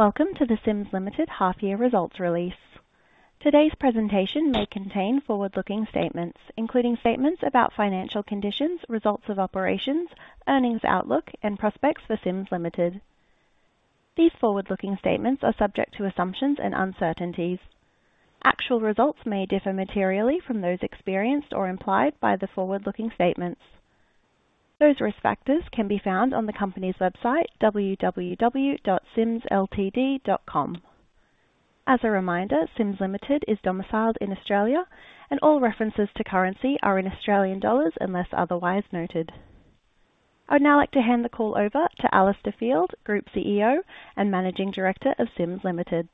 Welcome to the Sims Limited Half Year Results release. Today's presentation may contain forward-looking statements, including statements about financial conditions, results of operations, earnings outlook, and prospects for Sims Limited. These forward-looking statements are subject to assumptions and uncertainties. Actual results may differ materially from those experienced or implied by the forward-looking statements. Those risk factors can be found on the company's website, www.simsltd.com. As a reminder, Sims Limited is domiciled in Australia, and all references to currency are in Australian dollars, unless otherwise noted. I would now like to hand the call over to Alistair Field, Group CEO and Managing Director of Sims Limited.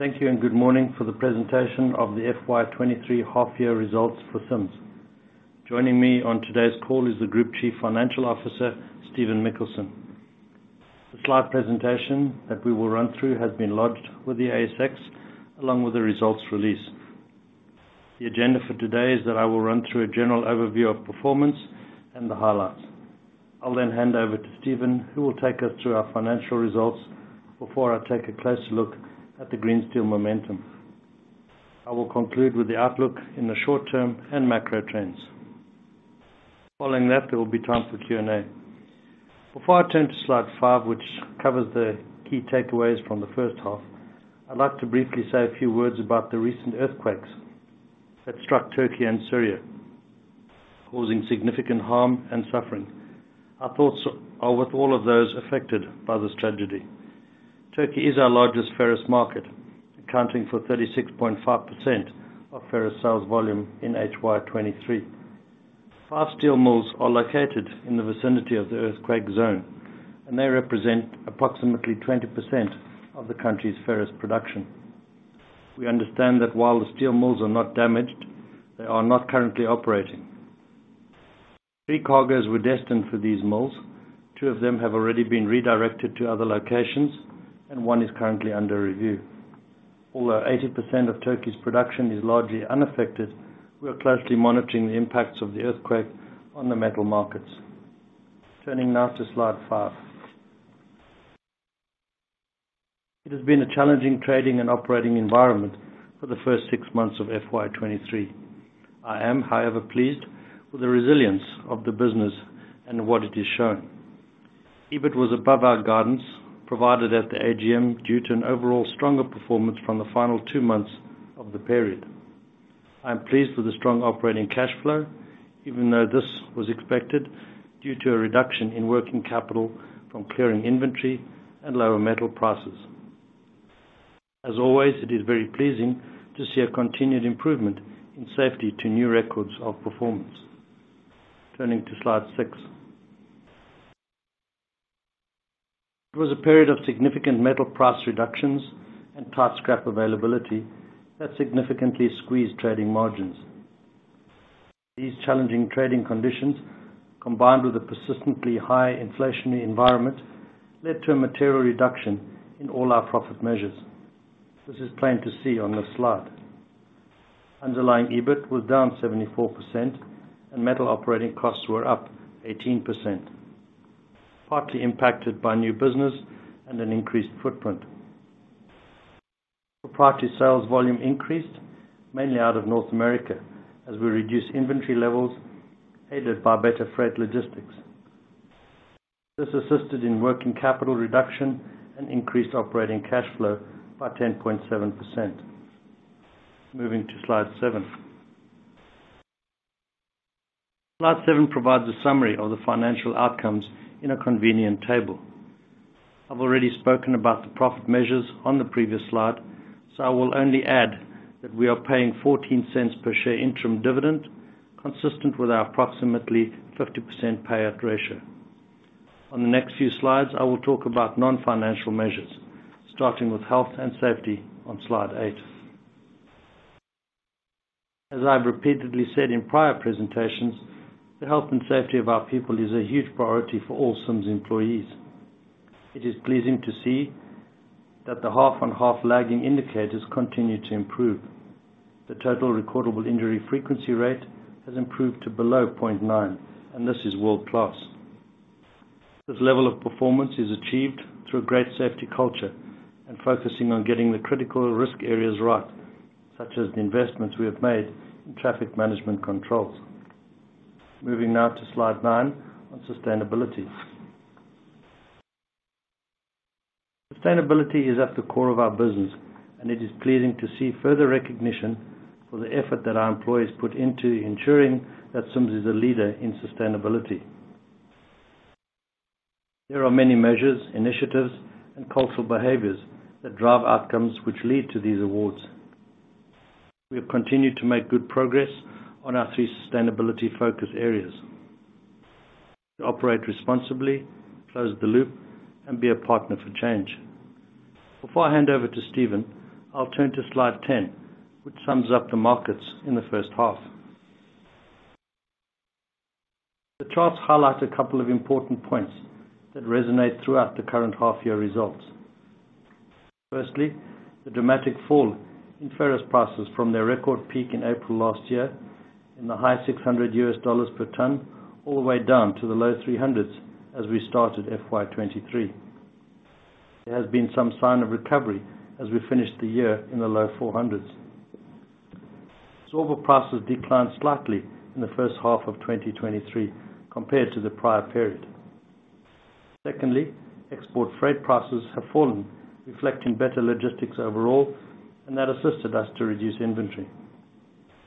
Thank you and good morning for the presentation of the FY23 half year results for Sims. Joining me on today's call is the Group Chief Financial Officer, Stephen Mikkelsen. The slide presentation that we will run through has been lodged with the ASX along with the results release. The agenda for today is that I will run through a general overview of performance and the highlights. I'll then hand over to Stephen, who will take us through our financial results before I take a closer look at the green steel momentum. I will conclude with the outlook in the short term and macro trends. Following that, there will be time for Q&A. Before I turn to slide five, which covers the key takeaways from the first half, I'd like to briefly say a few words about the recent earthquakes that struck Turkey and Syria, causing significant harm and suffering. Our thoughts are with all of those affected by this tragedy. Turkey is our largest ferrous market, accounting for 36.5% of ferrous sales volume in FY23. Five steel mills are located in the vicinity of the earthquake zone. They represent approximately 20% of the country's ferrous production. We understand that while the steel mills are not damaged, they are not currently operating. Three cargoes were destined for these mills. Two of them have already been redirected to other locations. One is currently under review. Although 80% of Turkey's production is largely unaffected, we are closely monitoring the impacts of the earthquake on the metal markets. Turning now to slide 5. It has been a challenging trading and operating environment for the first six months of FY23. I am, however, pleased with the resilience of the business and what it has shown. EBIT was above our guidance provided at the AGM due to an overall stronger performance from the final two months of the period. I am pleased with the strong operating cash flow, even though this was expected due to a reduction in working capital from clearing inventory and lower metal prices. As always, it is very pleasing to see a continued improvement in safety to new records of performance. Turning to slide six. It was a period of significant metal price reductions and tight scrap availability that significantly squeezed trading margins. These challenging trading conditions, combined with a persistently high inflationary environment, led to a material reduction in all our profit measures. This is plain to see on this slide. Underlying EBIT was down 74% and metal operating costs were up 18%, partly impacted by new business and an increased footprint. Proprietary sales volume increased mainly out of North America as we reduced inventory levels aided by better freight logistics. This assisted in working capital reduction and increased operating cash flow by 10.7%. Moving to slide seven. Slide seven provides a summary of the financial outcomes in a convenient table. I've already spoken about the profit measures on the previous slide, so I will only add that we are paying 0.14 per share interim dividend, consistent with our approximately 50% payout ratio. On the next few slides, I will talk about non-financial measures, starting with health and safety on slide eight. As I've repeatedly said in prior presentations, the health and safety of our people is a huge priority for all Sims employees. It is pleasing to see that the half-on-half lagging indicators continue to improve. The total recordable injury frequency rate has improved to below 0.9, and this is world-class. This level of performance is achieved through a great safety culture and focusing on getting the critical risk areas right, such as the investments we have made in traffic management controls. Moving now to slide nine on sustainability. Sustainability is at the core of our business, and it is pleasing to see further recognition for the effort that our employees put into ensuring that Sims is a leader in sustainability. There are many measures, initiatives, and cultural behaviors that drive outcomes which lead to these awards. We have continued to make good progress on our three sustainability focus areas: to operate responsibly, close the loop, and be a partner for change. Before I hand over to Stephen, I'll turn to slide 10, which sums up the markets in the first half. The charts highlight a couple of important points that resonate throughout the current half year results. Firstly, the dramatic fall in ferrous prices from their record peak in April last year in the high $600 per ton all the way down to the low 300s as we started FY 2023. There has been some sign of recovery as we finished the year in the low 400s. While prices declined slightly in the first half of 2023 compared to the prior period. Secondly, export freight prices have fallen, reflecting better logistics overall, and that assisted us to reduce inventory.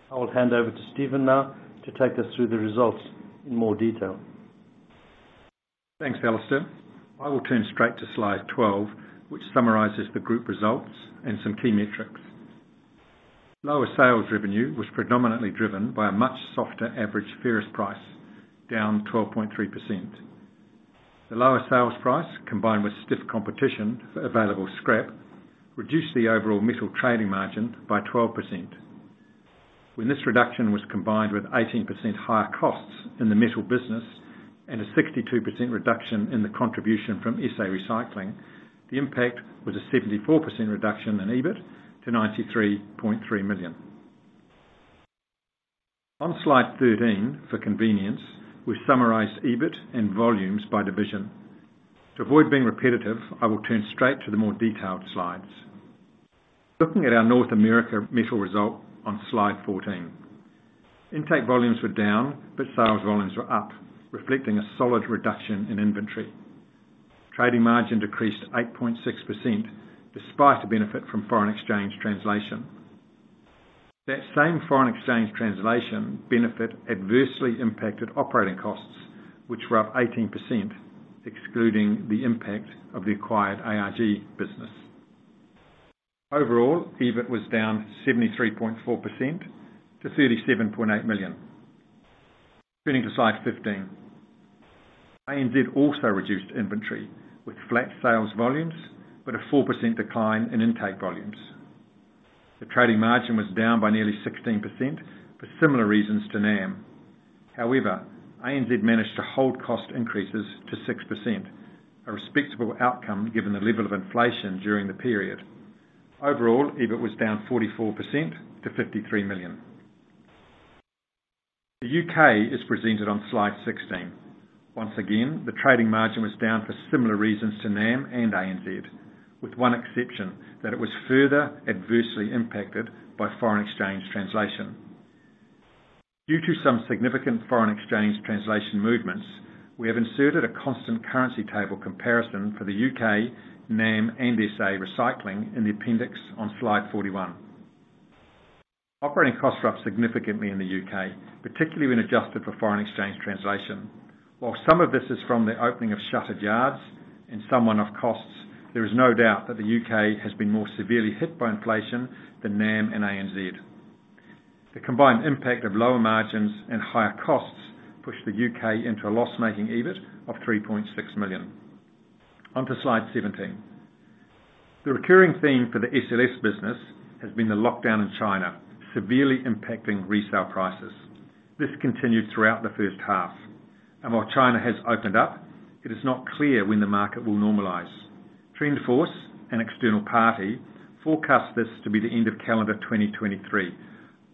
I will hand over to Stephen now to take us through the results in more detail. Thanks, Alistair. I will turn straight to slide 12, which summarizes the group results and some key metrics. Lower sales revenue was predominantly driven by a much softer average ferrous price, down 12.3%. The lower sales price, combined with stiff competition for available scrap, reduced the overall metal trading margin by 12%. When this reduction was combined with 18% higher costs in the metal business and a 62% reduction in the contribution from SA Recycling, the impact was a 74% reduction in EBIT to 93.3 million. On slide 13, for convenience, we summarized EBIT and volumes by division. To avoid being repetitive, I will turn straight to the more detailed slides. Looking at our North America metal result on slide 14. Intake volumes were down, but sales volumes were up, reflecting a solid reduction in inventory. Trading margin decreased 8.6% despite a benefit from foreign exchange translation. That same foreign exchange translation benefit adversely impacted operating costs, which were up 18%, excluding the impact of the acquired ARG business. Overall, EBIT was down 73.4% to 37.8 million. Turning to slide 15. ANZ also reduced inventory with flat sales volumes, but a 4% decline in intake volumes. The trading margin was down by nearly 16% for similar reasons to NAM. ANZ managed to hold cost increases to 6%, a respectable outcome given the level of inflation during the period. Overall, EBIT was down 44% to 53 million. The UK is presented on slide 16. Once again, the trading margin was down for similar reasons to NAM and ANZ, with one exception that it was further adversely impacted by foreign exchange translation. Due to some significant foreign exchange translation movements, we have inserted a constant currency table comparison for the U.K., NAM, and SA Recycling in the appendix on slide 41. Operating costs were up significantly in the U.K., particularly when adjusted for foreign exchange translation. While some of this is from the opening of shuttered yards and some one-off costs, there is no doubt the U.K. has been more severely hit by inflation than NAM and ANZ. The combined impact of lower margins and higher costs pushed the U.K. into a loss-making EBIT of 3.6 million. On to slide 17. The recurring theme for the SLS business has been the lockdown in China, severely impacting resale prices. This continued throughout the first half. While China has opened up, it is not clear when the market will normalize. TrendForce, an external party, forecast this to be the end of calendar 2023.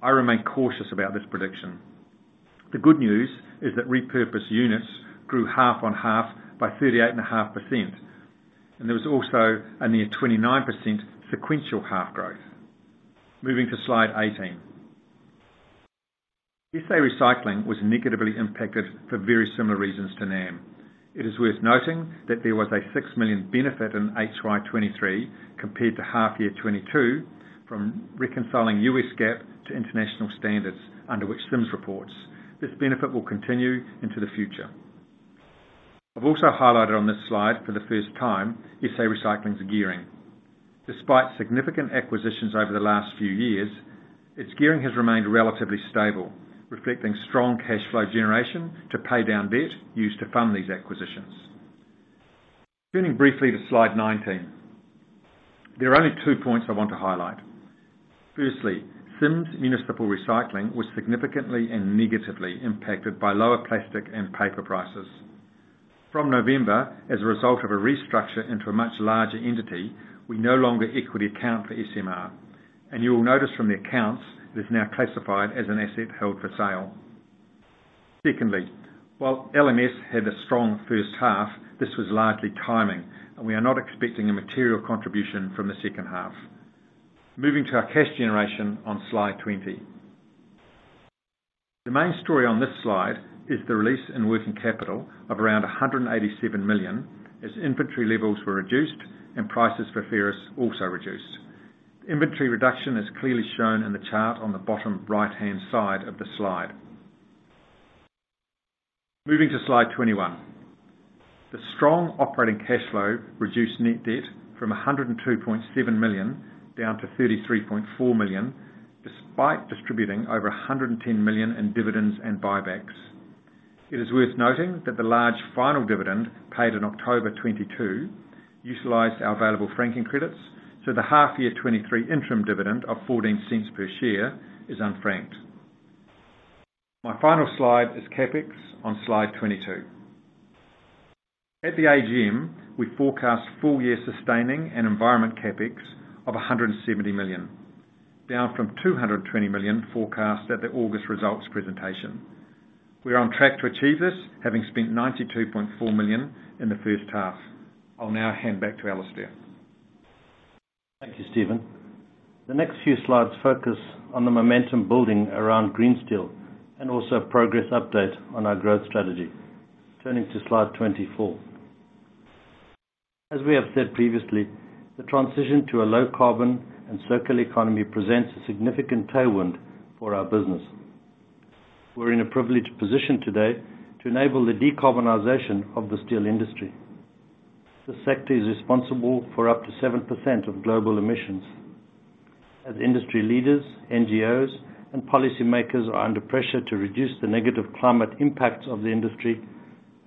I remain cautious about this prediction. The good news is that repurposed units grew half on half by 38.5%, and there was also a near 29% sequential half growth. Moving to slide 18. SA Recycling was negatively impacted for very similar reasons to NAM. It is worth noting that there was a 6 million benefit in HY 2023 compared to half year 2022 from reconciling US GAAP to international standards under which Sims reports. This benefit will continue into the future. I've also highlighted on this slide for the first time SA Recycling's gearing. Despite significant acquisitions over the last few years, its gearing has remained relatively stable, reflecting strong cash flow generation to pay down debt used to fund these acquisitions. Turning briefly to slide 19. There are only two points I want to highlight. Firstly, Sims Municipal Recycling was significantly and negatively impacted by lower plastic and paper prices. From November, as a result of a restructure into a much larger entity, we no longer equity account for SMR, and you will notice from the accounts it is now classified as an asset held for sale. Secondly, while LMS had a strong first half, this was largely timing, and we are not expecting a material contribution from the second half. Moving to our cash generation on slide 20. The main story on this slide is the release in working capital of around 187 million as inventory levels were reduced and prices for ferrous also reduced. Inventory reduction is clearly shown in the chart on the bottom right-hand side of the slide. Moving to slide 21. The strong operating cash flow reduced net debt from 102.7 million down to 33.4 million, despite distributing over 110 million in dividends and buybacks. It is worth noting that the large final dividend paid in October 2022 utilized our available franking credits, so the half year 2023 interim dividend of 0.14 per share is unfranked. My final slide is CapEx on slide 22. At the AGM, we forecast full year sustaining and environment CapEx of 170 million, down from 220 million forecast at the August results presentation. We are on track to achieve this, having spent 92.4 million in the first half. I'll now hand back to Alistair. Thank you, Stephen. The next few slides focus on the momentum building around green steel and also progress update on our growth strategy. Turning to slide 24. As we have said previously, the transition to a low-carbon and circular economy presents a significant tailwind for our business. We're in a privileged position today to enable the decarbonization of the steel industry. This sector is responsible for up to 7% of global emissions. As industry leaders, NGOs, and policy makers are under pressure to reduce the negative climate impacts of the industry,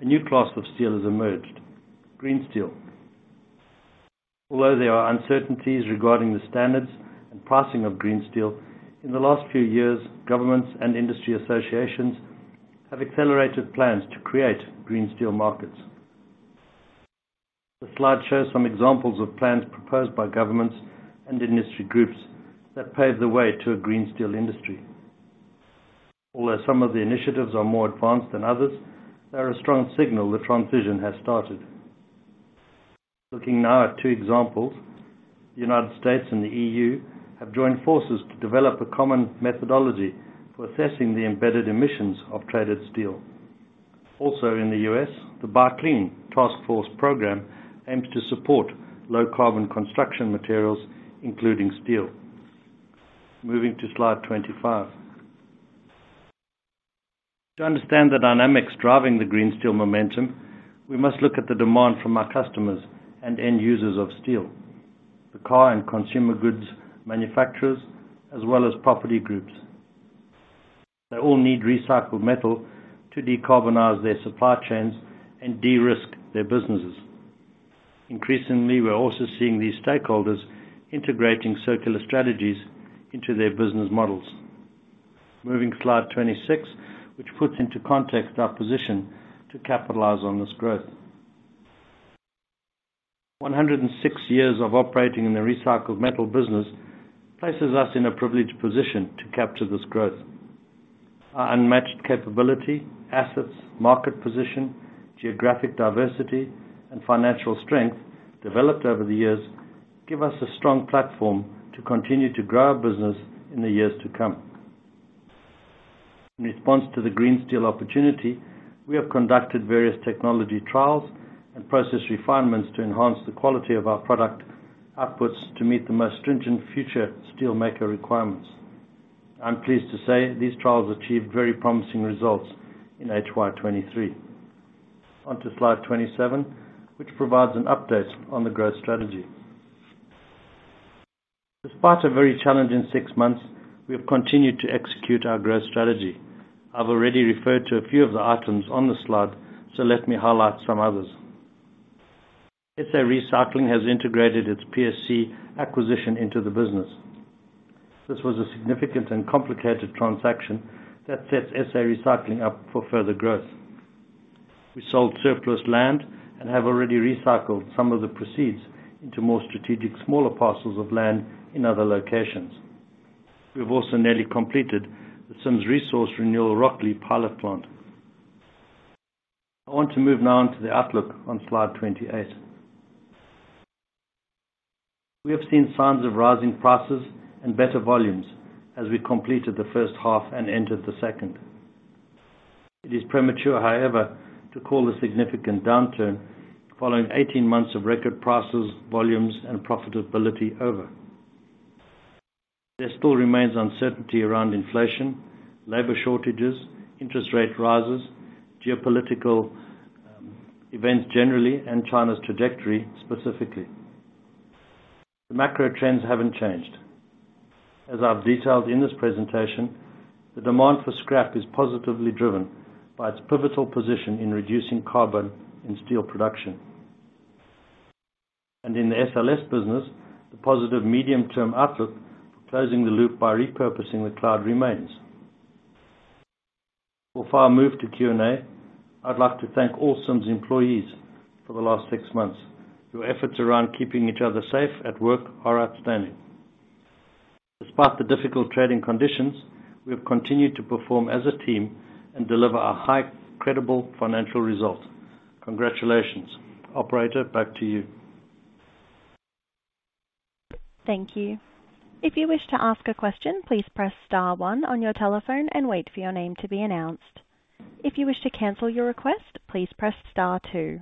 a new class of steel has emerged, green steel. Although there are uncertainties regarding the standards and pricing of green steel, in the last few years, governments and industry associations have accelerated plans to create green steel markets. The slide shows some examples of plans proposed by governments and industry groups that pave the way to a green steel industry. Although some of the initiatives are more advanced than others, they are a strong signal the transition has started. Looking now at two examples. The United States and the EU have joined forces to develop a common methodology for assessing the embedded emissions of traded steel. Also in the US, the Buy Clean Task Force program aims to support low carbon construction materials, including steel. Moving to slide 25. To understand the dynamics driving the green steel momentum, we must look at the demand from our customers and end users of steel. The car and consumer goods manufacturers, as well as property groups. They all need recycled metal to decarbonize their supply chains and de-risk their businesses. Increasingly, we are also seeing these stakeholders integrating circular strategies into their business models. Moving to slide two6, which puts into context our position to capitalize on this growth. 106 years of operating in the recycled metal business places us in a privileged position to capture this growth. Our unmatched capability, assets, market position, geographic diversity, and financial strength developed over the years give us a strong platform to continue to grow our business in the years to come. In response to the green steel opportunity, we have conducted various technology trials and process refinements to enhance the quality of our product outputs to meet the most stringent future steelmaker requirements. I'm pleased to say these trials achieved very promising results in FY 23. Slide 27, which provides an update on the growth strategy. Despite a very challenging six months, we have continued to execute our growth strategy. I've already referred to a few of the items on the slide, so let me highlight some others. SA Recycling has integrated its PSC acquisition into the business. This was a significant and complicated transaction that sets SA Recycling up for further growth. We sold surplus land and have already recycled some of the proceeds into more strategic, smaller parcels of land in other locations. We've also nearly completed the Sims Resource Renewal Rocklea pilot plant. I want to move now onto the outlook on slide 28. We have seen signs of rising prices and better volumes as we completed the first half and entered the second. It is premature, however, to call a significant downturn following 18 months of record prices, volumes, and profitability over. There still remains uncertainty around inflation, labor shortages, interest rate rises, geopolitical events generally, and China's trajectory specifically. The macro trends haven't changed. As I've detailed in this presentation, the demand for scrap is positively driven by its pivotal position in reducing carbon in steel production. In the SLS business, the positive medium-term outlook for closing the loop by repurposing the cloud remains. Before I move to Q&A, I'd like to thank all Sims employees for the last six months. Your efforts around keeping each other safe at work are outstanding. Despite the difficult trading conditions, we have continued to perform as a team and deliver a high credible financial result. Congratulations. Operator, back to you. Thank you. If you wish to ask a question, please press star one on your telephone and wait for your name to be announced. If you wish to cancel your request, please press star two.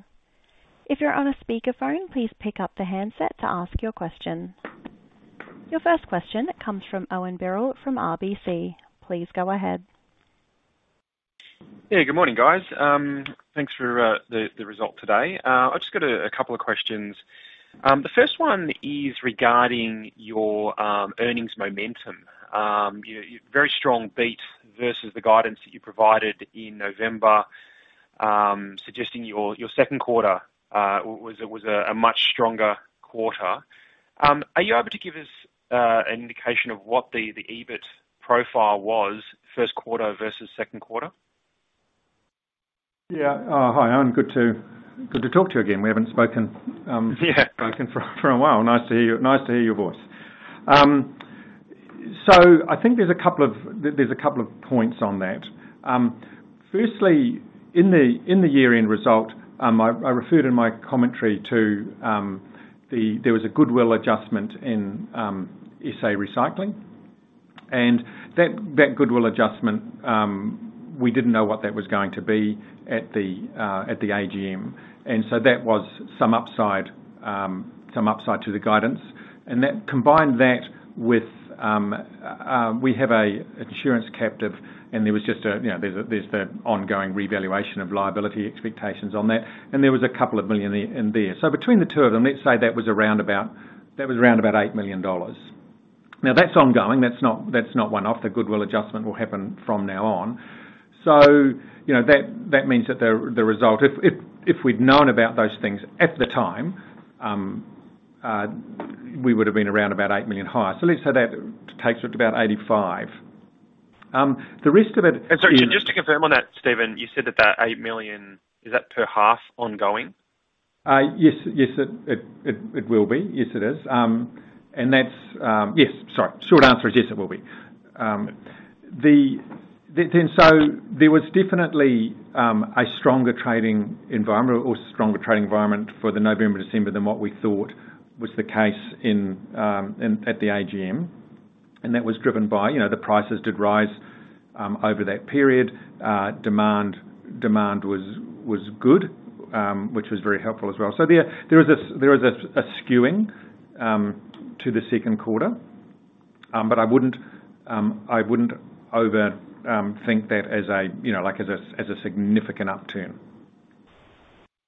If you're on a speakerphone, please pick up the handset to ask your question. Your first question comes from Owen Birrell from RBC. Please go ahead. Yeah. Good morning, guys. Thanks for the result today. I've just got a couple of questions. The first one is regarding your earnings momentum. Very strong beat versus the guidance that you provided in November. Suggesting your second quarter was a much stronger quarter. Are you able to give us an indication of what the EBIT profile was first quarter versus second quarter? Yeah. Hi, Owen. Good to talk to you again. We haven't spoken. Yeah spoken for a while. Nice to hear your voice. I think there's a couple of points on that. Firstly, in the year-end result, I referred in my commentary to. There was a goodwill adjustment in SA Recycling and that goodwill adjustment we didn't know what that was going to be at the AGM. That was some upside to the guidance. Combine that with we have a insurance captive and there was just a, you know, there's the ongoing revaluation of liability expectations on that, and there was uncertain in there. Between the two of them, let's say that was around about 8 million dollars. Now that's ongoing, that's not, that's not one-off. The goodwill adjustment will happen from now on. You know, that means that the result. If we'd known about those things at the time, we would've been around about 8 million higher. Let's say that takes it to about 85 million. The risk of it is. Sorry, just to confirm on that, Stephen, you said that that eight million, is that per half ongoing? Yes. Yes, it will be. Yes, it is. That's. Yes, sorry. Short answer is yes, it will be. Then, there was definitely a stronger trading environment for the November, December than what we thought was the case in, at the AGM. That was driven by, you know, the prices did rise over that period. Demand was good, which was very helpful as well. There was a skewing to the second quarter. I wouldn't I wouldn't over think that as a, you know, like, as a, as a significant upturn.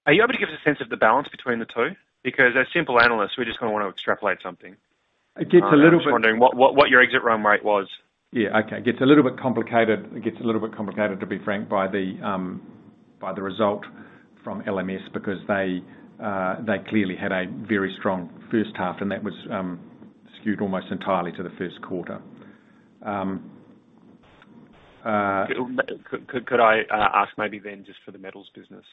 Are you able to give us a sense of the balance between the two? As simple analysts, we just kinda want to extrapolate something. It gets a little bit. I'm just wondering what your exit run rate was. Yeah, okay. It gets a little bit complicated, to be frank, by the, by the result from LMS because they clearly had a very strong first half, and that was skewed almost entirely to the first quarter. Could I ask maybe then just for the metals business?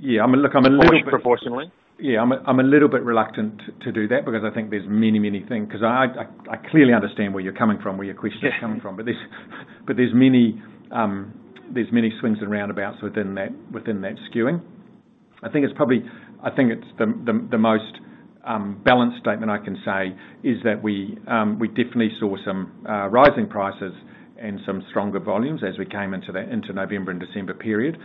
Yeah. I mean, look, I'm a little. Even proportionally. Yeah. I'm a little bit reluctant to do that because I think there's many things... 'Cause I clearly understand where you're coming from, where your question- Yeah is coming from. There's many swings and roundabouts within that, within that skewing. I think it's the most balanced statement I can say is that we definitely saw some rising prices and some stronger volumes as we came into that, into November and December period.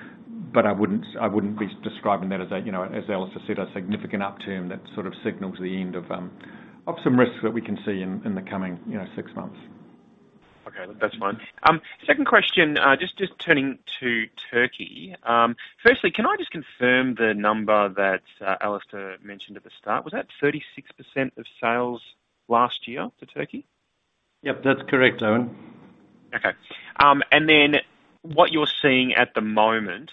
I wouldn't be describing that as a, you know, as Alistair said, a significant upturn that sort of signals the end of some risks that we can see in the coming, you know, 6 months. Okay. That's fine. Second question, just turning to Turkey. Firstly, can I just confirm the number that Alistair mentioned at the start? Was that 36% of sales last year to Turkey? Yep. That's correct, Owen. Okay. What you're seeing at the moment,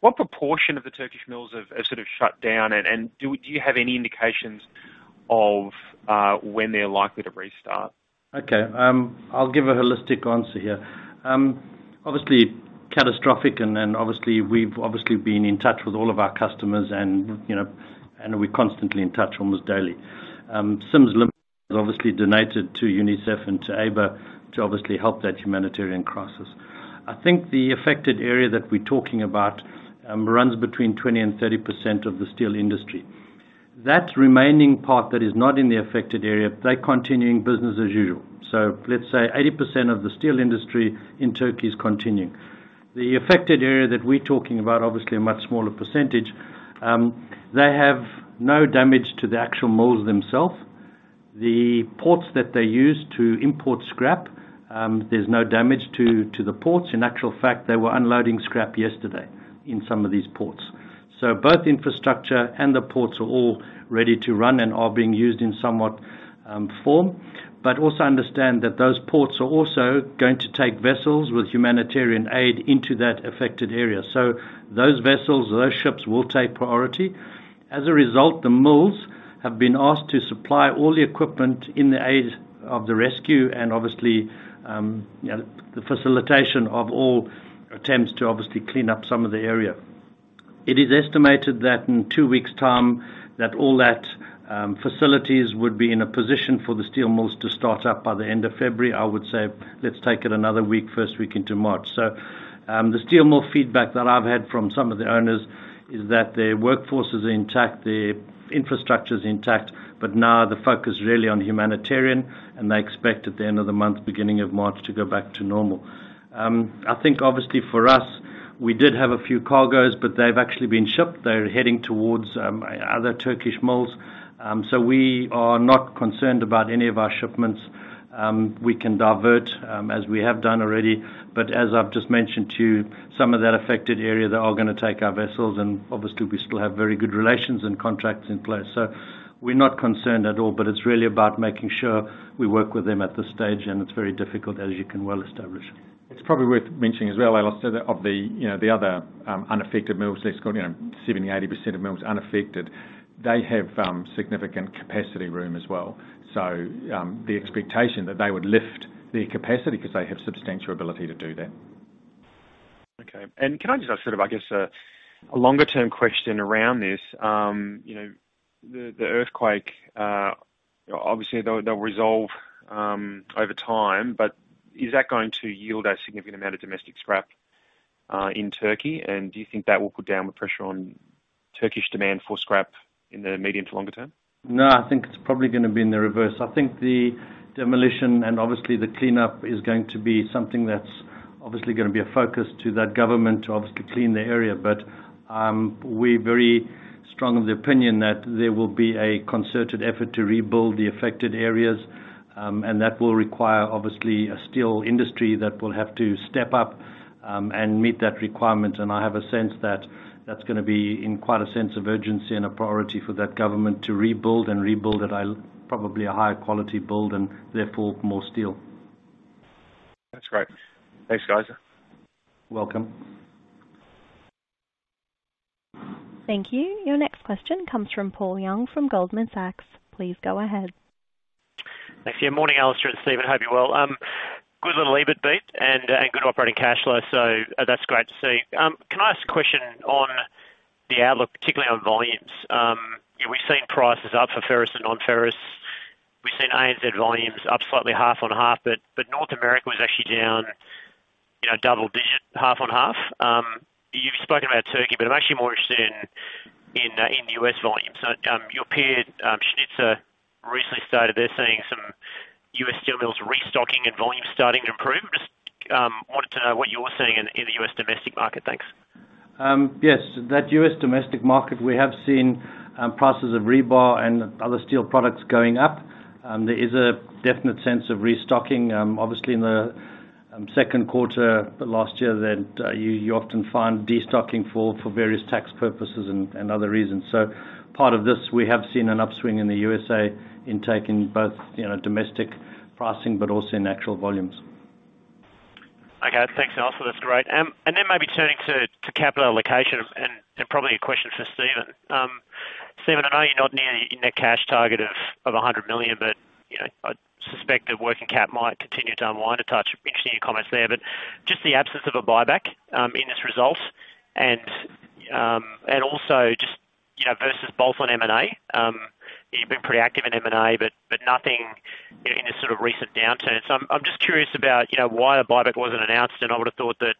what proportion of the Turkish mills have sort of shut down and do you have any indications of when they're likely to restart? Okay. I'll give a holistic answer here. Obviously catastrophic, obviously, we've obviously been in touch with all of our customers, you know, we're constantly in touch almost daily. Sims obviously donated to UNICEF and to Ahbap to obviously help that humanitarian crisis. I think the affected area that we're talking about, runs between 20% and 30% of the steel industry. That remaining part that is not in the affected area, they're continuing business as usual. Let's say 80% of the steel industry in Turkey is continuing. The affected area that we're talking about, obviously a much smaller percentage, they have no damage to the actual mills themself. The ports that they use to import scrap, there's no damage to the ports. In actual fact, they were unloading scrap yesterday in some of these ports. Both infrastructure and the ports are all ready to run and are being used in somewhat form. Also understand that those ports are also going to take vessels with humanitarian aid into that affected area. Those vessels or those ships will take priority. As a result, the mills have been asked to supply all the equipment in the aid of the rescue and obviously, you know, the facilitation of all attempts to obviously clean up some of the area. It is estimated that in 2 weeks' time that all that facilities would be in a position for the steel mills to start up by the end of February. I would say let's take it another week, first week into March. The steel mill feedback that I've had from some of the owners is that their workforce is intact, their infrastructure's intact, but now the focus is really on humanitarian, and they expect at the end of the month, beginning of March, to go back to normal. I think obviously for us, we did have a few cargos, but they've actually been shipped. They're heading towards other Turkish mills. We are not concerned about any of our shipments. We can divert, as we have done already. As I've just mentioned to you, some of that affected area, they are going to take our vessels, and obviously we still have very good relations and contracts in place. We're not concerned at all, but it's really about making sure we work with them at this stage, and it's very difficult as you can well establish. It's probably worth mentioning as well, Alistair, that of the, you know, the other, unaffected mills, it's got, you know, 70%-80% of mills unaffected. They have, significant capacity room as well. The expectation that they would lift their capacity 'cause they have substantial ability to do that. Okay. Can I just ask sort of, I guess a longer-term question around this? You know, the earthquake, obviously, they'll resolve, over time, but is that going to yield a significant amount of domestic scrap, in Turkey? Do you think that will put downward pressure on Turkish demand for scrap in the medium to longer term? No, I think it's probably going to be in the reverse. I think the demolition and obviously the cleanup is going to be something that's obviously going to be a focus to that government to obviously clean the area. We're very strong of the opinion that there will be a concerted effort to rebuild the affected areas, and that will require, obviously, a steel industry that will have to step up, and meet that requirement. I have a sense that that's going to be in quite a sense of urgency and a priority for that government to rebuild and rebuild at a probably a higher quality build and therefore more steel. That's great. Thanks, guys. Welcome. Thank you. Your next question comes from Paul Young, from Goldman Sachs. Please go ahead. Thanks. Yeah, morning, Alistair and Stephen. Hope you're well. Good little EBIT beat and good operating cash flow, that's great to see. Can I ask a question on the outlook, particularly on volumes? You know, we've seen prices up for ferrous and non-ferrous. We've seen ANZ volumes up slightly half on half, but North America was actually down, you know, double-digit, half on half. You've spoken about Turkey, but I'm actually more interested in the U.S. volumes. Your peer, Schnitzer recently stated they're seeing some U.S. steel mills restocking and volumes starting to improve. Just wanted to know what you're seeing in the U.S. domestic market. Thanks. Yes. That US domestic market, we have seen prices of rebar and other steel products going up. There is a definite sense of restocking, obviously in the 2nd quarter last year that you often find destocking for various tax purposes and other reasons. Part of this, we have seen an upswing in the USA in taking both, you know, domestic pricing but also in actual volumes. Okay. Thanks, Alistair. That's great. Maybe turning to capital allocation and probably a question for Stephen. Stephen, I know you're not near your net cash target of 100 million, but, you know, I suspect that working cap might continue to unwind a touch. Interesting your comments there. Just the absence of a buyback in this result and also just, you know, versus bolt-on M&A. You've been pretty active in M&A but nothing in this sort of recent downturn. I'm just curious about, you know, why a buyback wasn't announced, I would've thought that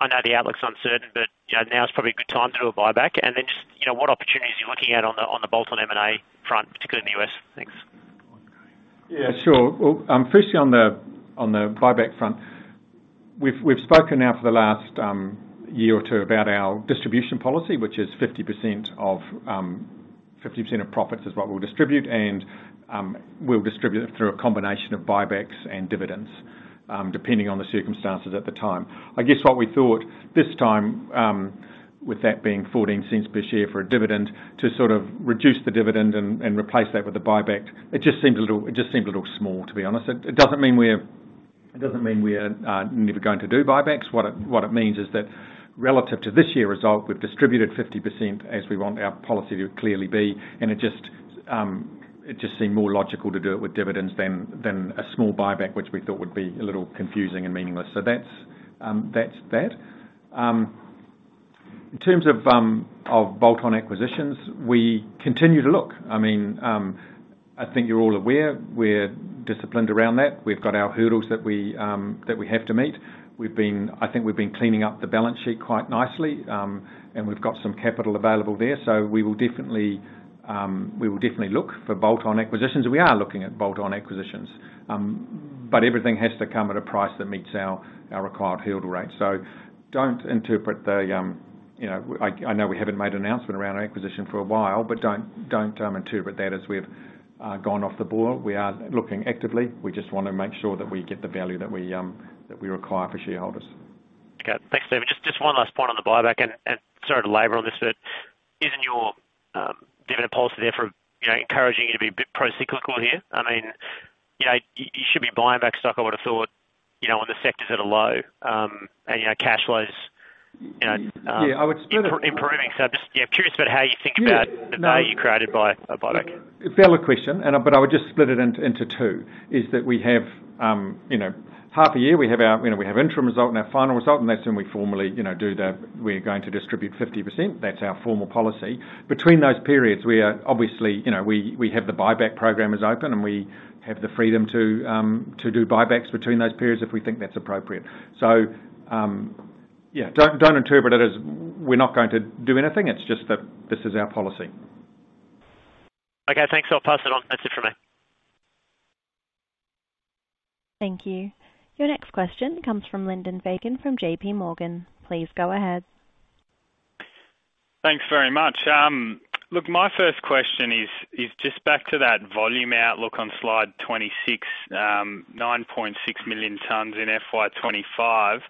I know the outlook's uncertain, but, you know, now is probably a good time to do a buyback. Just, you know, what opportunities you're looking at on the bolt-on M&A front, particularly in the U.S. Thanks. Yeah, sure. Well, firstly on the buyback front. We've spoken now for the last year or two about our distribution policy, which is 50% of 50% of profits is what we'll distribute, and we'll distribute it through a combination of buybacks and dividends, depending on the circumstances at the time. I guess what we thought this time, with that being 0.14 per share for a dividend, to sort of reduce the dividend and replace that with the buyback, it just seemed a little small, to be honest. It doesn't mean we're never going to do buybacks. What it means is that relative to this year's result, we've distributed 50% as we want our policy to clearly be. It just seemed more logical to do it with dividends than a small buyback, which we thought would be a little confusing and meaningless. That's that. In terms of bolt-on acquisitions, we continue to look. I mean, I think you're all aware we're disciplined around that. We've got our hurdles that we have to meet. I think we've been cleaning up the balance sheet quite nicely, and we've got some capital available there, so we will definitely look for bolt-on acquisitions. We are looking at bolt-on acquisitions. Everything has to come at a price that meets our required hurdle rate. Don't interpret the, you know... I know we haven't made an announcement around our acquisition for a while, but don't interpret that as we've gone off the boil. We are looking actively. We just want to make sure that we get the value that we require for shareholders. Okay. Thanks, Stephen. Just one last point on the buyback and sorry to labor on this, isn't your dividend policy there for, you know, encouraging you to be a bit procyclical here? I mean, you know, you should be buying back stock I would've thought, you know, when the sectors that are low, you know, cash flows, you know. Yeah. improving. I'm just, yeah, curious about how you think. Yeah, no. the value created by a buyback. A valid question. I would just split it into two, is that we have, you know, half a year, we have our, you know, we have interim result and our final result, and that's when we formally, you know, do the, we're going to distribute 50%. That's our formal policy. Between those periods, we are obviously, you know, we have the buyback program is open and we have the freedom to do buybacks between those periods if we think that's appropriate. Yeah, don't interpret it as we're not going to do anything. It's just that this is our policy. Okay, thanks. I'll pass it on. That's it from me. Thank you. Your next question comes from Lyndon Fagan, from J.P. Morgan. Please go ahead. Thanks very much. Look, my first question is just back to that volume outlook on slide 26, 9.6 million tons in FY25.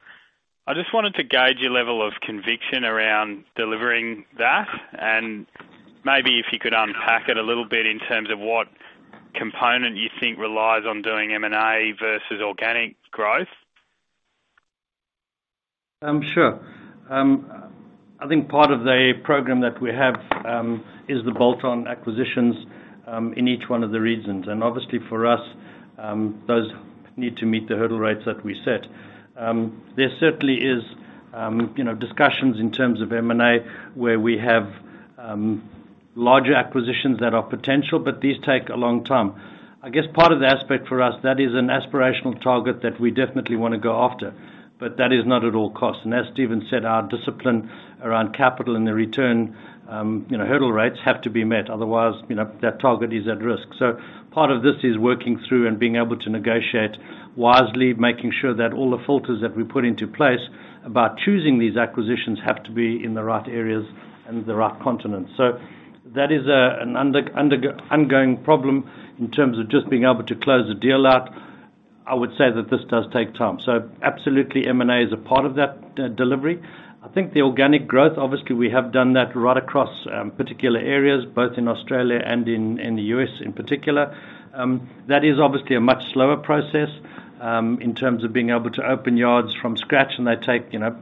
I just wanted to gauge your level of conviction around delivering that, and maybe if you could unpack it a little bit in terms of what component you think relies on doing M&A versus organic growth. Sure. I think part of the program that we have is the bolt-on acquisitions in each one of the regions. Obviously for us, those need to meet the hurdle rates that we set. There certainly is, you know, discussions in terms of M&A where we have larger acquisitions that are potential, but these take a long time. I guess part of the aspect for us, that is an aspirational target that we definitely want to go after, but that is not at all cost. As Stephen said, our discipline around capital and the return, you know, hurdle rates have to be met. Otherwise, you know, that target is at risk. Part of this is working through and being able to negotiate wisely, making sure that all the filters that we put into place about choosing these acquisitions have to be in the right areas and the right continents. That is an ongoing problem in terms of just being able to close the deal out. I would say that this does take time. Absolutely M&A is a part of that delivery. I think the organic growth, obviously we have done that right across, particular areas, both in Australia and in the U.S. in particular. That is obviously a much slower process, in terms of being able to open yards from scratch, and they take, you know,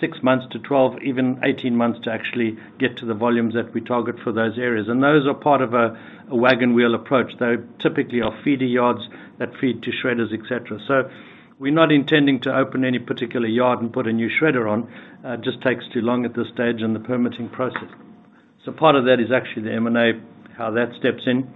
6 months to 12, even 18 months to actually get to the volumes that we target for those areas. Those are part of a wagon wheel approach. They typically are feeder yards that feed to shredders, et cetera. We're not intending to open any particular yard and put a new shredder on. It just takes too long at this stage in the permitting process. Part of that is actually the M&A, how that steps in.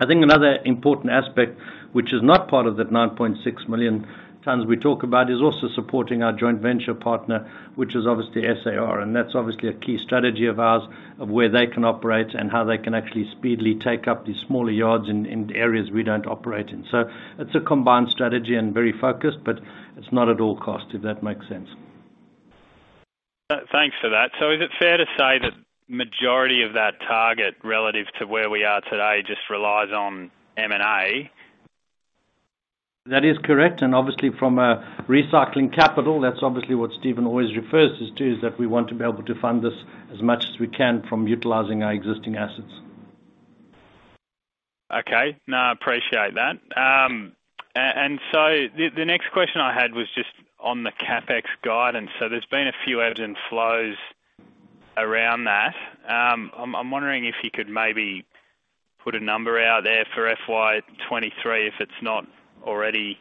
I think another important aspect, which is not part of that 9.6 million tons we talk about, is also supporting our joint venture partner, which is obviously SAR, and that's obviously a key strategy of ours, of where they can operate and how they can actually speedily take up these smaller yards in areas we don't operate in. It's a combined strategy and very focused, but it's not at all cost, if that makes sense. Thanks for that. Is it fair to say that majority of that target relative to where we are today just relies on M&A? That is correct. Obviously from a recycling capital, that's obviously what Steven always refers to, that we want to be able to fund this as much as we can from utilizing our existing assets. Okay. No, I appreciate that. The next question I had was just on the CapEx guidance. There's been a few ebbs and flows around that. I'm wondering if you could maybe put a number out there for FY 2023, if it's not already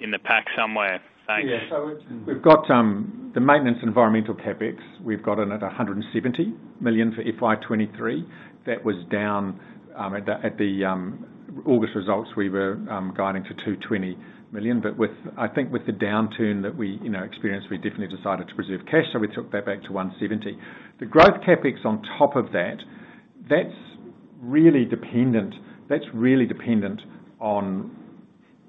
in the pack somewhere. Thanks. Yeah. We've got the maintenance environmental CapEx. We've got it at 170 million for FY 2023. That was down at the August results, we were guiding for 220 million. With, I think with the downturn that we, you know, experienced, we definitely decided to preserve cash, so we took that back to 170 million. The growth CapEx on top of that's really dependent on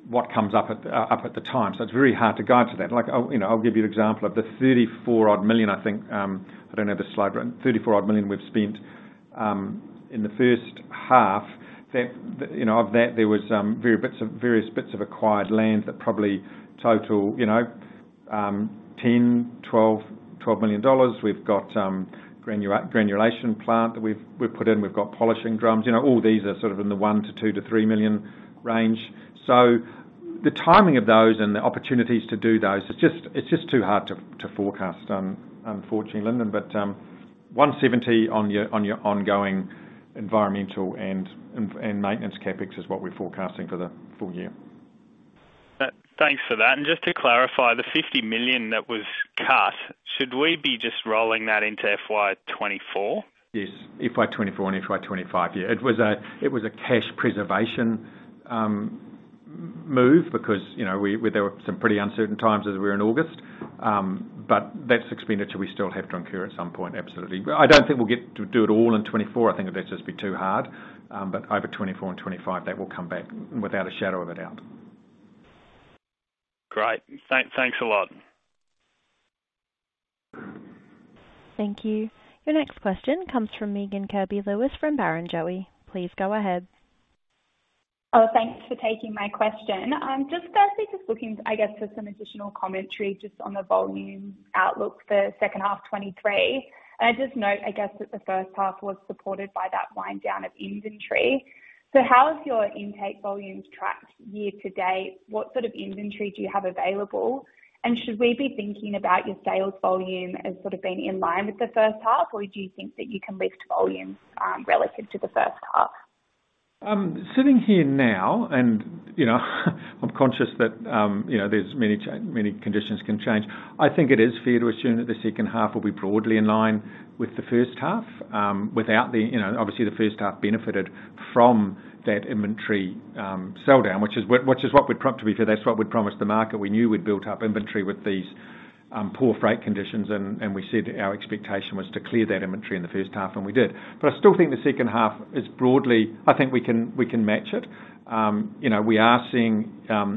what comes up at the time, so it's very hard to guide to that. Like, I'll, you know, I'll give you an example of the 34 odd million, I think, I don't have the slide, but 34 odd million we've spent in the first half. That, you know, of that there was, various bits of acquired land that probably total, you know, 10 million-12 million dollars. We've got granulation plant that we've put in. We've got polishing drums. You know, all these are sort of in the 1 million-3 million range. The timing of those and the opportunities to do those, it's just too hard to forecast, unfortunately, Lyndon. 170 million on your ongoing environmental and maintenance CapEx is what we're forecasting for the full year. Thanks for that. Just to clarify, the 50 million that was cut, should we be just rolling that into FY 2024? Yes. FY 2024 and FY 2025, yeah. It was a cash preservation move because, you know, we, there were some pretty uncertain times as we were in August. That's expenditure we still have to incur at some point, absolutely. I don't think we'll get to do it all in 2024. I think that'd just be too hard. Over 2024 and 2025, that will come back without a shadow of a doubt. Great. Thanks, thanks a lot. Thank you. Your next question comes from Megan Kirby-Lewis from Barrenjoey. Please go ahead. Oh, thanks for taking my question. I'm just firstly just looking, I guess, for some additional commentary just on the volume outlook for second half 2023. I just note, I guess, that the first half was supported by that wind down of inventory. How has your intake volumes tracked year to date? What sort of inventory do you have available? Should we be thinking about your sales volume as sort of being in line with the first half, or do you think that you can lift volumes relative to the first half? Sitting here now and, you know I'm conscious that, you know, there's many conditions can change. I think it is fair to assume that the second half will be broadly in line with the first half, without the, you know, obviously the first half benefited from that inventory, sell down, which is what, to be fair, that's what we'd promised the market. We knew we'd built up inventory with these, poor freight conditions and we said our expectation was to clear that inventory in the first half, and we did. I still think the second half is broadly. I think we can, we can match it. You know, we are seeing,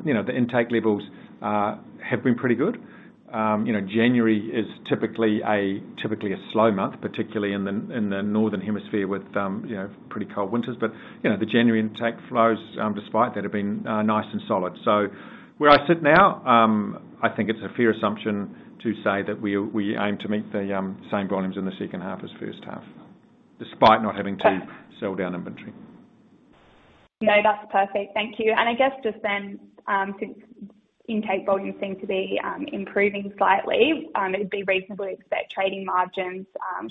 you know, the intake levels have been pretty good. You know, January is typically a slow month, particularly in the northern hemisphere with, you know, pretty cold winters. You know, the January intake flows, despite that have been nice and solid. Where I sit now, I think it's a fair assumption to say that we aim to meet the same volumes in the second half as first half, despite not having to sell down inventory. No, that's perfect. Thank you. I guess just then, since intake volumes seem to be improving slightly, it would be reasonable to expect trading margins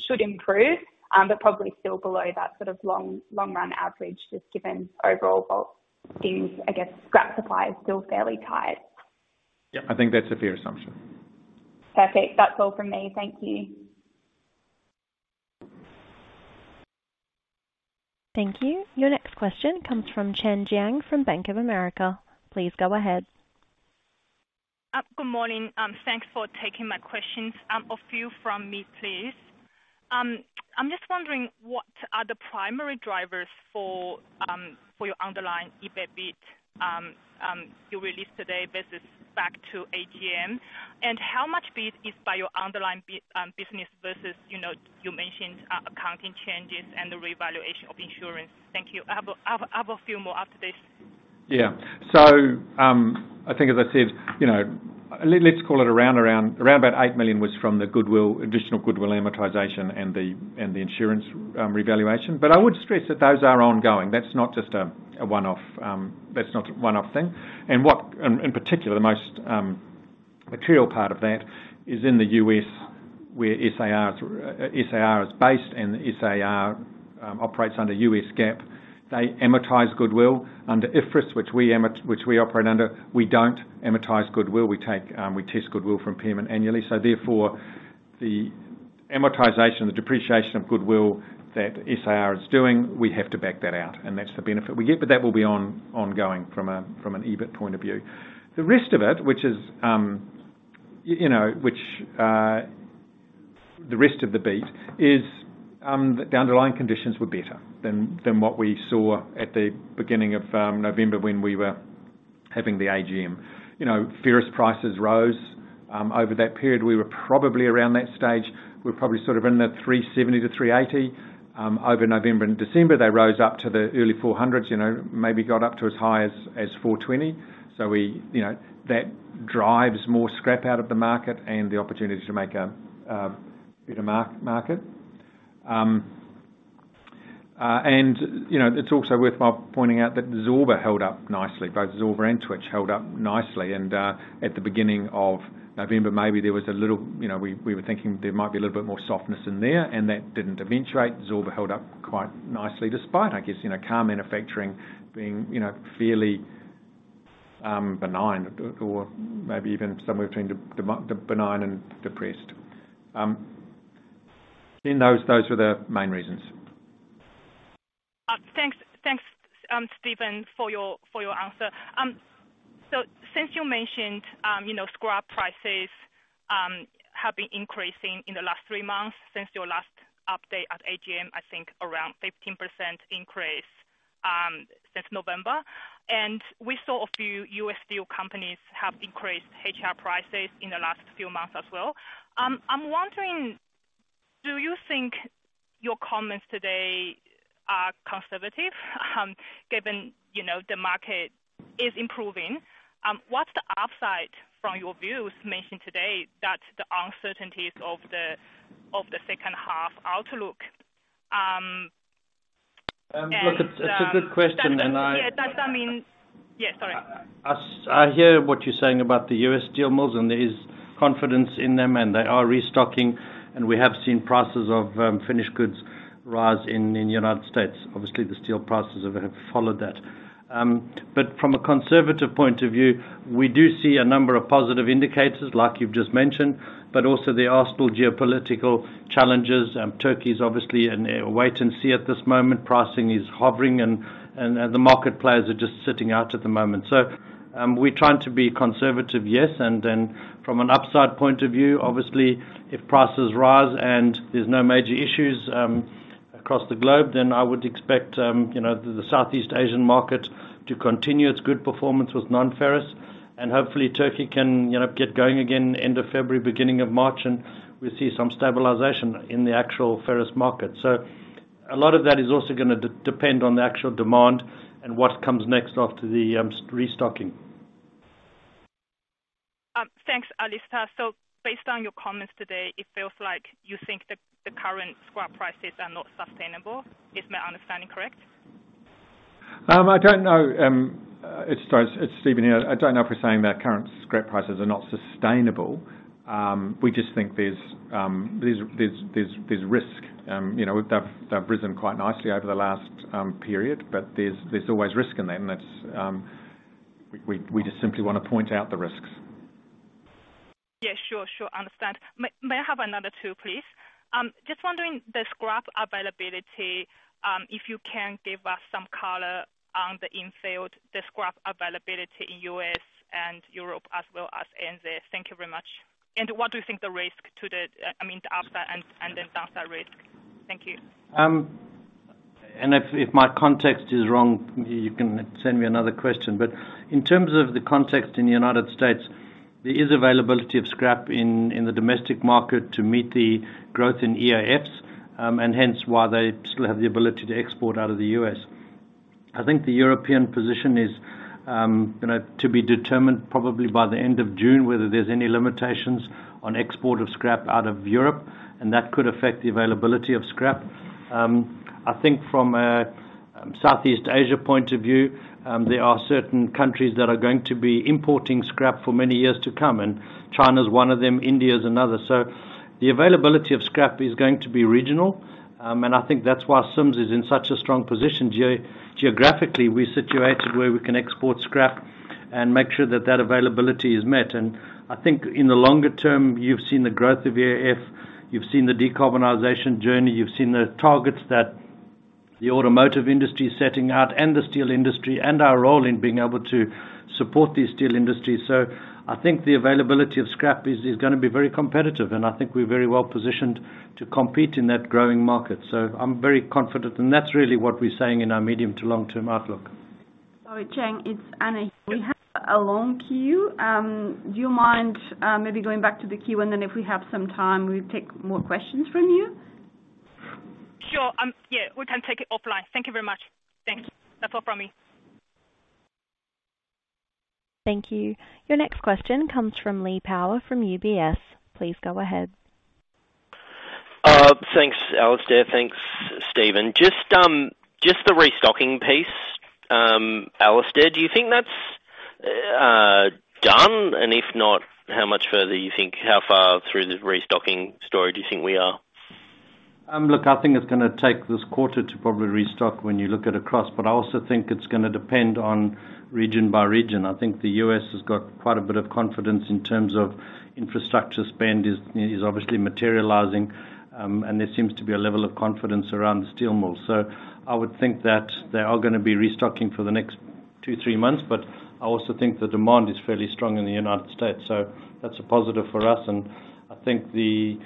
should improve, but probably still below that sort of long run average, just given overall bulk seems, I guess, scrap supply is still fairly tight. Yeah, I think that's a fair assumption. Perfect. That's all from me. Thank you. Thank you. Your next question comes from Chen Jiang from Bank of America. Please go ahead. Good morning. Thanks for taking my questions. A few from me, please. I'm just wondering, what are the primary drivers for your underlying EBIT beat, you released today versus back to AGM? How much beat is by your underlying business versus, you know, you mentioned accounting changes and the revaluation of insurance? Thank you. I have a few more after this. I think as I said, you know, let's call it around about 8 million was from the goodwill, additional goodwill amortization and the insurance revaluation. I would stress that those are ongoing. That's not just a one-off, that's not one-off thing. What, and particular, the most material part of that is in the US, where SAR is based and SAR operates under US GAAP. They amortize goodwill under IFRS, which we operate under. We don't amortize goodwill. We take, we test goodwill for impairment annually. Therefore, the amortization, the depreciation of goodwill that SAR is doing, we have to back that out, and that's the benefit we get. That will be ongoing from an EBIT point of view. The rest of it, which is, you know, which the rest of the beat is, the underlying conditions were better than what we saw at the beginning of November when we were having the AGM. You know, ferrous prices rose over that period. We were probably around that stage. We're probably sort of in the $370-$380. Over November and December, they rose up to the early $400s, you know, maybe got up to as high as $420. We, you know, that drives more scrap out of the market and the opportunity to make a bit of market. It's also worthwhile pointing out that Zorba held up nicely, both Zorba and Twitch held up nicely. At the beginning of November, maybe there was a little, you know, we were thinking there might be a little bit more softness in there, and that didn't eventuate. Zorba held up quite nicely, despite, I guess, you know, car manufacturing being, you know, fairly benign, or maybe even somewhere between benign and depressed. Those were the main reasons. Thanks, Stephen, for your answer. Since you mentioned, you know, scrap prices have been increasing in the last 3 months since your last update at AGM, I think around 15% increase since November. We saw a few US steel companies have increased HRC prices in the last few months as well. I'm wondering, do you think your comments today are conservative, given, you know, the market is improving? What's the upside from your views mentioned today that the uncertainties of the second half outlook? look, it's a good question. That, yeah. Does that mean... Yeah, sorry. I hear what you're saying about the US steel mills. There is confidence in them and they are restocking, and we have seen prices of finished goods rise in United States. Obviously, the steel prices have followed that. From a conservative point of view, we do see a number of positive indicators like you've just mentioned, but also there are still geopolitical challenges. Turkey's obviously in a wait and see at this moment. Pricing is hovering and the market players are just sitting out at the moment. We're trying to be conservative, yes. From an upside point of view, obviously, if prices rise and there's no major issues across the globe, I would expect, you know, the Southeast Asian market to continue its good performance with non-ferrous. Hopefully Turkey can, you know, get going again end of February, beginning of March, and we see some stabilization in the actual ferrous market. A lot of that is also going to depend on the actual demand and what comes next after the restocking. Thanks, Alistair. Based on your comments today, it feels like you think the current scrap prices are not sustainable. Is my understanding correct? I don't know, it's Stephen here. I don't know if we're saying that current scrap prices are not sustainable. We just think there's risk. You know, they've risen quite nicely over the last period, but there's always risk in them. That's, we just simply want to point out the risks. Yeah, sure. Understand. May I have another 2, please? Just wondering the scrap availability, if you can give us some color on the infield, the scrap availability in U.S. and Europe as well as ANZ. Thank you very much. What do you think the risk to the, I mean, the upside and the downside risk? Thank you. If, if my context is wrong, you can send me another question. In terms of the context in the United States, there is availability of scrap in the domestic market to meet the growth in EAFs, and hence why they still have the ability to export out of the U.S. I think the European position is, you know, to be determined probably by the end of June, whether there's any limitations on export of scrap out of Europe, and that could affect the availability of scrap. I think from a Southeast Asia point of view, there are certain countries that are going to be importing scrap for many years to come, and China's one of them, India is another. The availability of scrap is going to be regional, and I think that's why Sims is in such a strong position geographically. We're situated where we can export scrap and make sure that that availability is met. I think in the longer term, you've seen the growth of EAF, you've seen the decarbonization journey, you've seen the targets that the automotive industry is setting out and the steel industry and our role in being able to support these steel industries. I think the availability of scrap is going to be very competitive, and I think we're very well-positioned to compete in that growing market. I'm very confident, and that's really what we're saying in our medium to long-term outlook. Sorry, Chen It's Anna here. We have a long queue. Do you mind, maybe going back to the queue, and then if we have some time, we'll take more questions from you? Sure. Yeah, we can take it offline. Thank you very much. Thanks. That's all from me. Thank you. Your next question comes from Lee Power from UBS. Please go ahead. Thanks, Alistair. Thanks, Stephen. Just the restocking piece, Alistair, do you think that's done? If not, how much further how far through the restocking story do you think we are? Look, I think it's going to take this quarter to probably restock when you look at across, I also think it's going to depend on region by region. I think the U.S. has got quite a bit of confidence in terms of infrastructure spend is obviously materializing, and there seems to be a level of confidence around the steel mills. I would think that they are going to be restocking for the next two, three months. I also think the demand is fairly strong in the United States, so that's a positive for us. I think the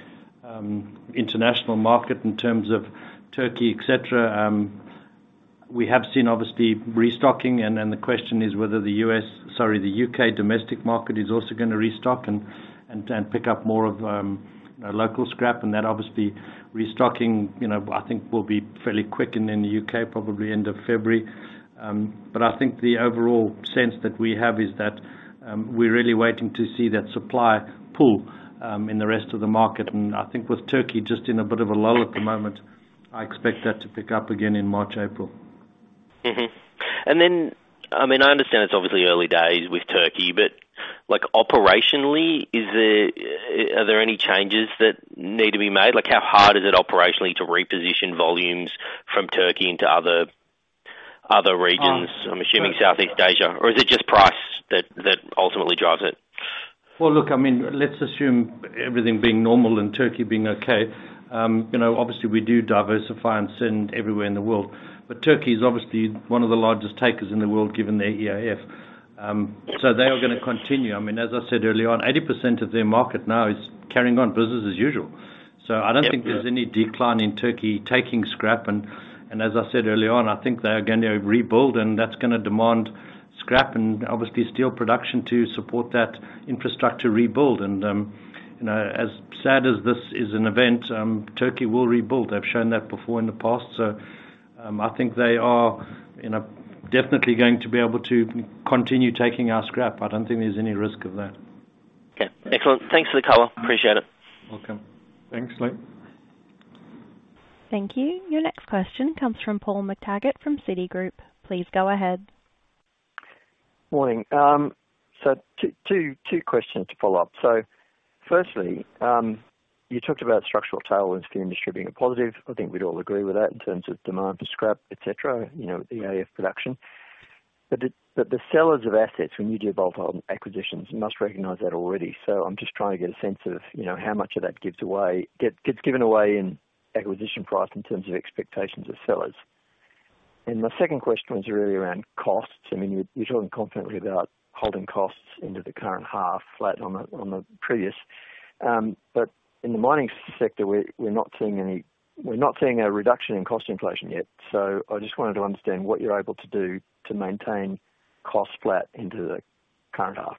international market in terms of Turkey, et cetera, we have seen obviously restocking and the question is whether the U.S. sorry, the U.K. domestic market is also going to restock and pick up more of local scrap. That obviously restocking, you know, I think will be fairly quick and in the UK probably end of February. I think the overall sense that we have is that we're really waiting to see that supply pull in the rest of the market. I think with Turkey just in a bit of a lull at the moment, I expect that to pick up again in March, April. I mean, I understand it's obviously early days with Turkey, but like operationally, are there any changes that need to be made? Like how hard is it operationally to reposition volumes from Turkey into other regions? Um. I'm assuming Southeast Asia. Is it just price that ultimately drives it? Well, look, I mean, let's assume everything being normal and Turkey being okay. You know, obviously we do diversify and send everywhere in the world. Turkey is obviously one of the largest takers in the world, given their EAF. They are going to continue. I mean, as I said earlier on, 80% of their market now is carrying on business as usual. Yep. I don't think there's any decline in Turkey taking scrap. As I said earlier on, I think they are going to rebuild and that's going to demand scrap and obviously steel production to support that infrastructure rebuild. You know, as sad as this is an event, Turkey will rebuild. They've shown that before in the past. I think they are, you know, definitely going to be able to continue taking our scrap. I don't think there's any risk of that. Okay. Excellent. Thanks for the color. Appreciate it. Welcome. Thanks, Lee. Thank you. Your next question comes from Paul McTaggart from Citigroup. Please go ahead. Morning. 2 questions to follow up. Firstly, you talked about structural tailwinds for industry being a positive. I think we'd all agree with that in terms of demand for scrap, et cetera, you know, EAF production. The sellers of assets when you do bolt-on acquisitions must recognize that already. I'm just trying to get a sense of, you know, how much of that gets given away in acquisition price in terms of expectations of sellers. My second question was really around costs. I mean, you're talking confidently about holding costs into the current half flat on the previous. In the mining sector, we're not seeing a reduction in cost inflation yet. I just wanted to understand what you're able to do to maintain cost flat into the current half.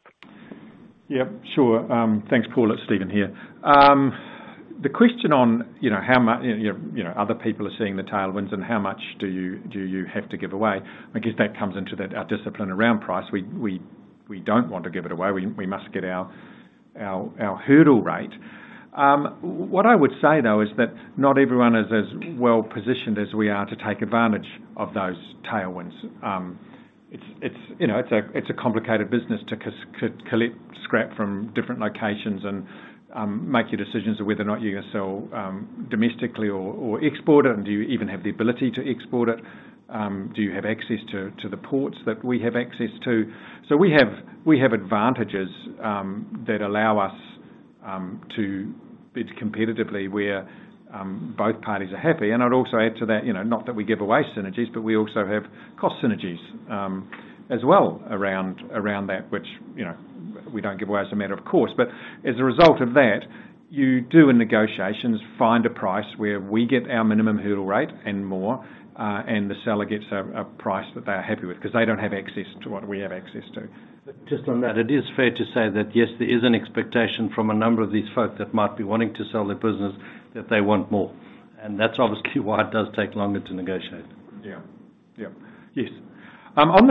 Yeah, sure. Thanks, Paul. It's Stephen here. The question on, you know, how you know, other people are seeing the tailwinds and how much do you have to give away, I guess that comes into that, our discipline around price. We don't want to give it away. We must get our hurdle rate. What I would say, though, is that not everyone is as well-positioned as we are to take advantage of those tailwinds. It's, you know, it's a complicated business to collect scrap from different locations and make your decisions of whether or not you're going to sell, domestically or export it, and do you even have the ability to export it? Do you have access to the ports that we have access to? We have advantages that allow us to bid competitively where both parties are happy. I'd also add to that, you know, not that we give away synergies, but we also have cost synergies as well around that which, you know, we don't give away as a matter of course. As a result of that, you do in negotiations find a price where we get our minimum hurdle rate and more, and the seller gets a price that they are happy with because they don't have access to what we have access to. Just on that, it is fair to say that yes, there is an expectation from a number of these folks that might be wanting to sell their business that they want more. That's obviously why it does take longer to negotiate. Yeah. Yeah. Yes. on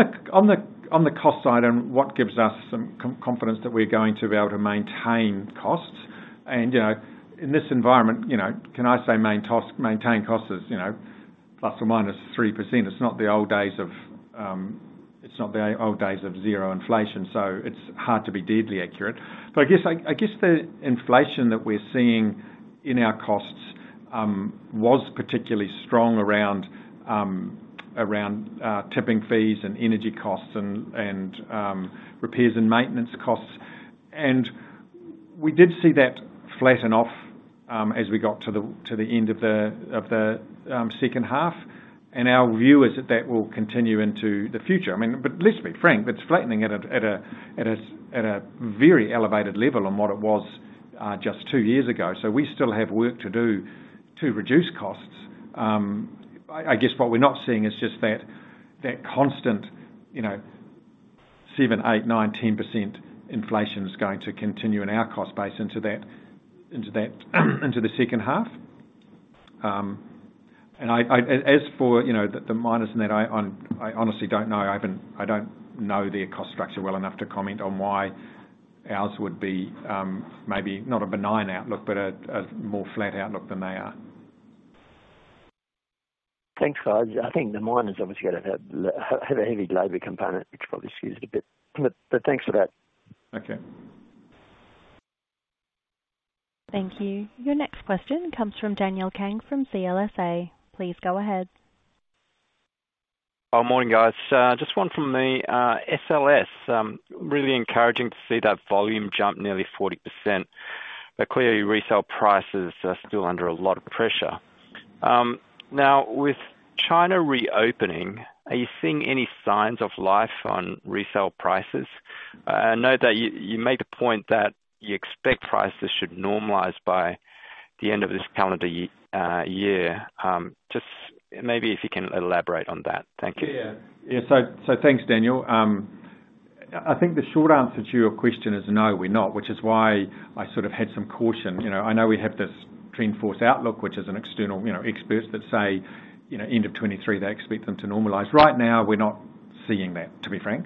the cost side and what gives us some confidence that we're going to be able to maintain costs and, you know, in this environment, you know, can I say maintain costs is, you know, ±3%. It's not the old days of zero inflation, so it's hard to be deadly accurate. I guess the inflation that we're seeing in our costs was particularly strong around around tipping fees and energy costs and repairs and maintenance costs. We did see that flatten off as we got to the end of the second half. Our view is that that will continue into the future. I mean, but let's be frank, it's flattening at a very elevated level on what it was just two years ago. We still have work to do to reduce costs. I guess what we're not seeing is just that constant, you know, 7%, 8%, 9%, 10% inflation is going to continue in our cost base into the second half. As for, you know, the miners and that, I honestly don't know. I don't know their cost structure well enough to comment on why ours would be, maybe not a benign outlook, but a more flat outlook than they are. Thanks, guys. I think the miners obviously gotta have a heavy labor component, which probably skews it a bit. Thanks for that. Okay. Thank you. Your next question comes from Daniel Kang from CLSA. Please go ahead. Oh, morning, guys. just one from me. SLS, really encouraging to see that volume jump nearly 40%. Clearly resale prices are still under a lot of pressure. Now with China reopening, are you seeing any signs of life on resale prices? I know that you made a point that you expect prices should normalize by the end of this calendar year. just maybe if you can elaborate on that. Thank you. Yeah. Thanks, Daniel. I think the short answer to your question is no, we're not, which is why I sort of had some caution. You know, I know we have this TrendForce outlook, which is an external, you know, experts that say, you know, end of 23, they expect them to normalize. Right now, we're not seeing that, to be frank.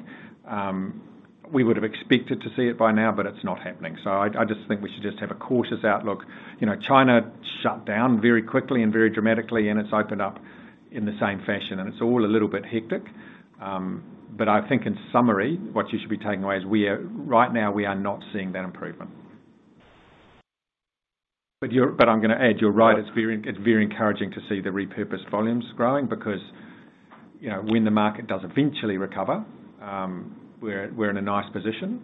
We would have expected to see it by now, but it's not happening. I just think we should just have a cautious outlook. You know, China shut down very quickly and very dramatically, and it's opened up in the same fashion, and it's all a little bit hectic. I think in summary, what you should be taking away is right now, we are not seeing that improvement. I'm going to add, you're right. It's very encouraging to see the repurposed volumes growing because, you know, when the market does eventually recover, we're in a nice position.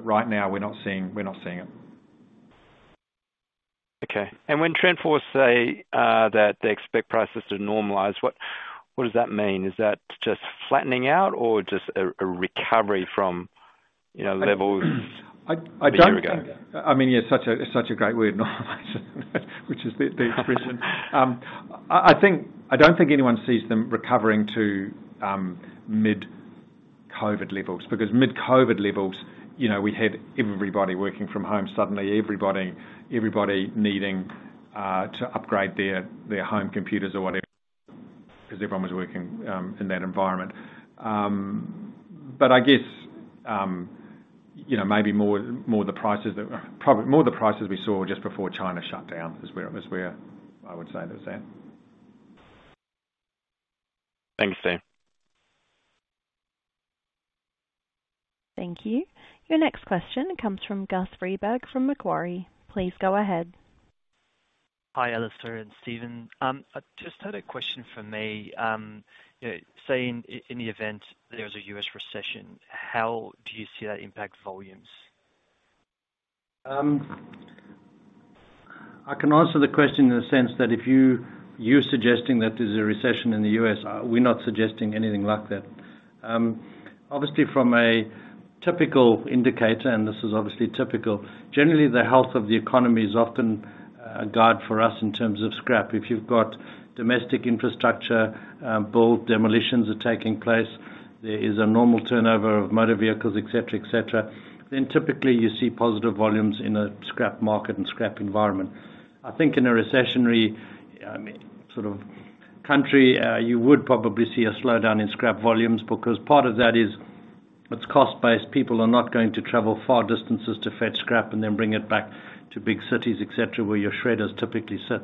Right now we're not seeing it. Okay. When TrendForce say that they expect prices to normalize, what does that mean? Is that just flattening out or just a recovery from, you know, levels a year ago? I don't think, I mean, yeah, it's such a great word, normalization, which is the expression. I don't think anyone sees them recovering to mid-COVID levels because mid-COVID levels, you know, we had everybody working from home, suddenly everybody needing to upgrade their home computers or whatever because everyone was working in that environment. I guess, you know, maybe more the prices that we saw just before China shut down is where I would say it was at. Thanks, Steve. Thank you. Your next question comes from Gus Griese from Macquarie. Please go ahead. Hi, Alistair and Stephen. I just had a question for me. Say in the event there's a US recession, how do you see that impact volumes? I can answer the question in the sense that if you're suggesting that there's a recession in the U.S., we're not suggesting anything like that. Obviously from a typical indicator, this is obviously typical, generally the health of the economy is often a guide for us in terms of scrap. If you've got domestic infrastructure, build demolitions are taking place, there is a normal turnover of motor vehicles, et cetera, et cetera, then typically you see positive volumes in a scrap market and scrap environment. I think in a recessionary sort of country, you would probably see a slowdown in scrap volumes because part of that is it's cost-based. People are not going to travel far distances to fetch scrap and then bring it back to big cities, et cetera, where your shredders typically sit.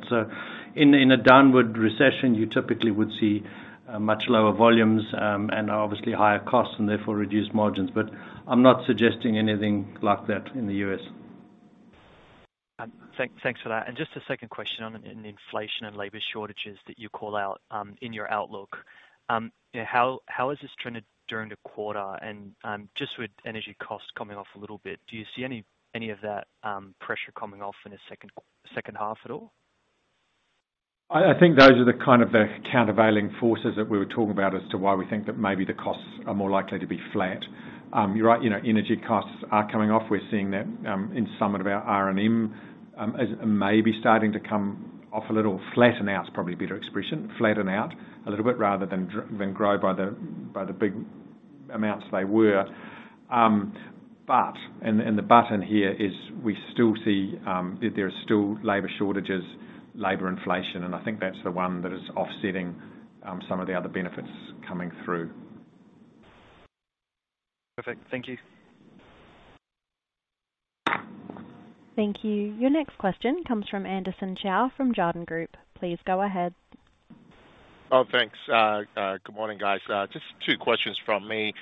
In a downward recession, you typically would see much lower volumes, and obviously higher costs and therefore reduced margins. I'm not suggesting anything like that in the U.S. Thanks for that. Just a second question on, in the inflation and labor shortages that you call out in your outlook. How has this trended during the quarter? Just with energy costs coming off a little bit, do you see any of that pressure coming off in the second half at all? I think those are the kind of the countervailing forces that we were talking about as to why we think that maybe the costs are more likely to be flat. You're right, you know, energy costs are coming off. We're seeing that, in some of our R&M, as maybe starting to come off a little flatten out is probably a better expression. Flatten out a little bit rather than grow by the, by the big amounts they were. The but in here is we still see, that there are still labor shortages, labor inflation, and I think that's the one that is offsetting, some of the other benefits coming through. Perfect. Thank you. Thank you. Your next question comes from Anderson Chow from Jarden. Please go ahead. Thanks. Good morning, guys. Just two questions from me.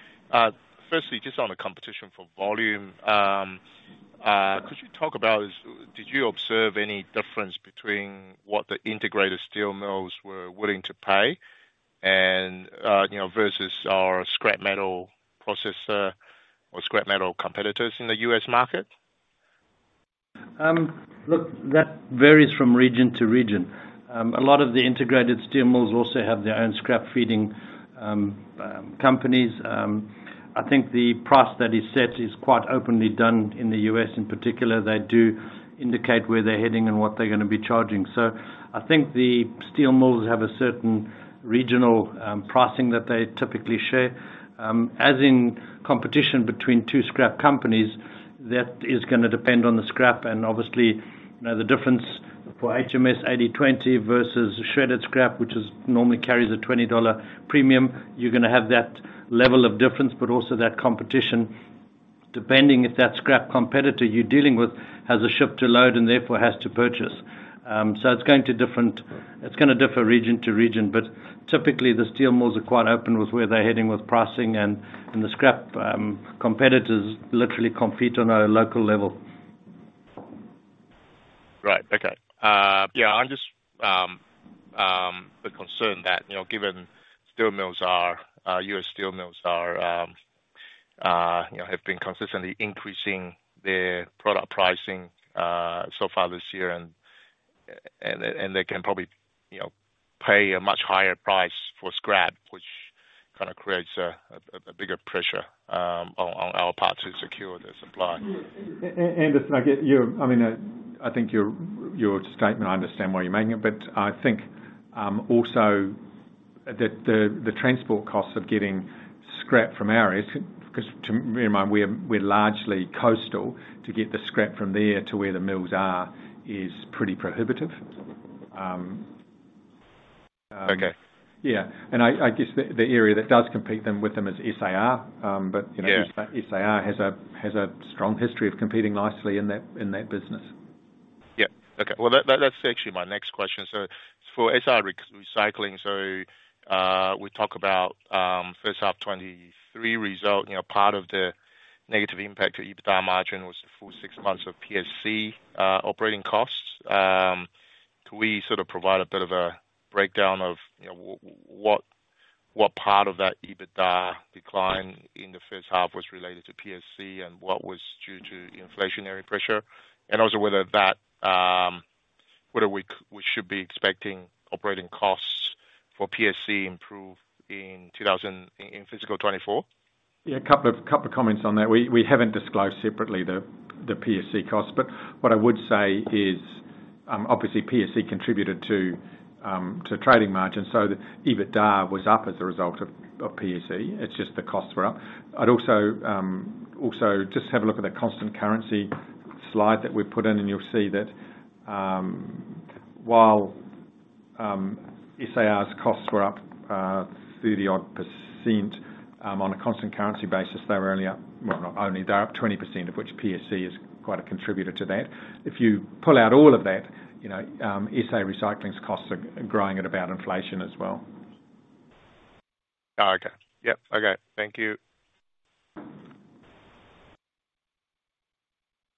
Firstly, just on the competition for volume, could you talk about did you observe any difference between what the integrated steel mills were willing to pay and, you know, versus our scrap metal processor or scrap metal competitors in the U.S. market? Look, that varies from region to region. A lot of the integrated steel mills also have their own scrap feeding companies. I think the price that is set is quite openly done in the U.S. in particular. They do indicate where they're heading and what they're going to be charging. I think the steel mills have a certain regional pricing that they typically share, as in competition between two scrap companies, that is going to depend on the scrap and obviously, you know, the difference for HMS 80/20 versus shredded scrap, which is normally carries a $20 premium. You're going to have that level of difference, but also that competition, depending if that scrap competitor you're dealing with has a ship to load and therefore has to purchase. It's going to differ region to region, but typically the steel mills are quite open with where they're heading with pricing and the scrap competitors literally compete on a local level. Okay. Yeah, I'm just bit concerned that, you know, given steel mills are U.S. steel mills are, you know, have been consistently increasing their product pricing so far this year and they can probably, you know, pay a much higher price for scrap, which kind of creates a bigger pressure on our part to secure the supply. Anderson, I get you. I mean, I think your statement, I understand why you're making it, but I think, also that the transport costs of getting scrap from our end, 'cause bear in mind, we're largely coastal to get the scrap from there to where the mills are, is pretty prohibitive. Okay. Yeah. I guess the area that does compete with them is SAR. You know. Yeah. SAR has a strong history of competing nicely in that business. Okay. Well, that's actually my next question. For SA Recycling, we talk about first half 2023 result, you know, part of the negative impact to EBITDA margin was the full six months of PSC operating costs. Could we sort of provide a bit of a breakdown of, you know, what part of that EBITDA decline in the first half was related to PSC and what was due to inflationary pressure? Also whether that, whether we should be expecting operating costs for PSC improve in fiscal 2024. Yeah, a couple of comments on that. We haven't disclosed separately the PSC costs, but what I would say is, obviously PSC contributed to trading margins, so the EBITDA was up as a result of PSC. It's just the costs were up. I'd also just have a look at the constant currency slide that we've put in and you'll see that, while SAR's costs were up 30 odd percent on a constant currency basis, they were only up. Well, not only they're up 20%, of which PSC is quite a contributor to that. If you pull out all of that, you know, SA Recycling's costs are growing at about inflation as well. Oh, okay. Yep. Okay. Thank you.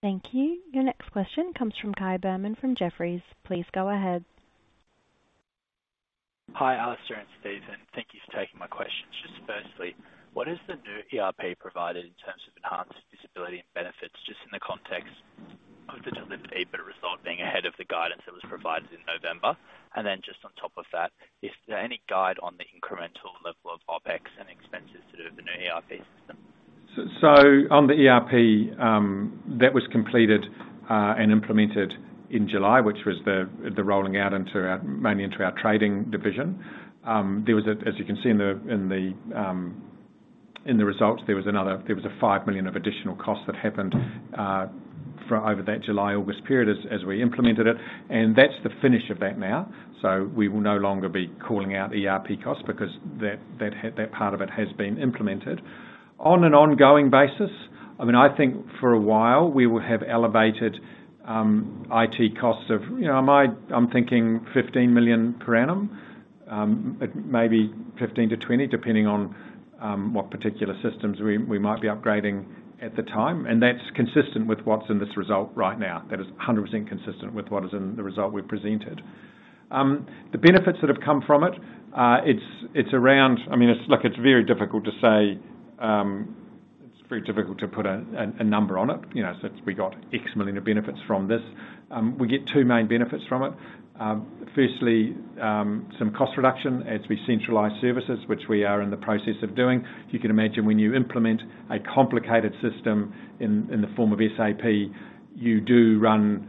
Thank you. Your next question comes from Khai Ooi from Jefferies. Please go ahead. Hi, Alistair and Stephen. Thank you for taking my questions. Just firstly, what is the new ERP provided in terms of enhanced disability and benefits, just in the context of the delivered EBITDA result being ahead of the guidance that was provided in November? Then just on top of that, is there any guide on the incremental level of OpEx and expenses to do with the new ERP system? On the ERP, that was completed and implemented in July, which was the rolling out mainly into our trading division. As you can see in the results, there was a 5 million of additional costs that happened for over that July, August period as we implemented it. That's the finish of that now. We will no longer be calling out ERP costs because that part of it has been implemented. On an ongoing basis, I mean, I think for a while we will have elevated IT costs of, you know, I'm thinking 15 million per annum, but maybe 15 million-20 million, depending on what particular systems we might be upgrading at the time. That's consistent with what's in this result right now. That is 100% consistent with what is in the result we presented. The benefits that have come from it, Look, it's very difficult to say. It's very difficult to put a number on it, you know, so it's we got X million of benefits from this. We get 2 main benefits from it. Firstly, some cost reduction as we centralize services, which we are in the process of doing. You can imagine when you implement a complicated system in the form of SAP, you do run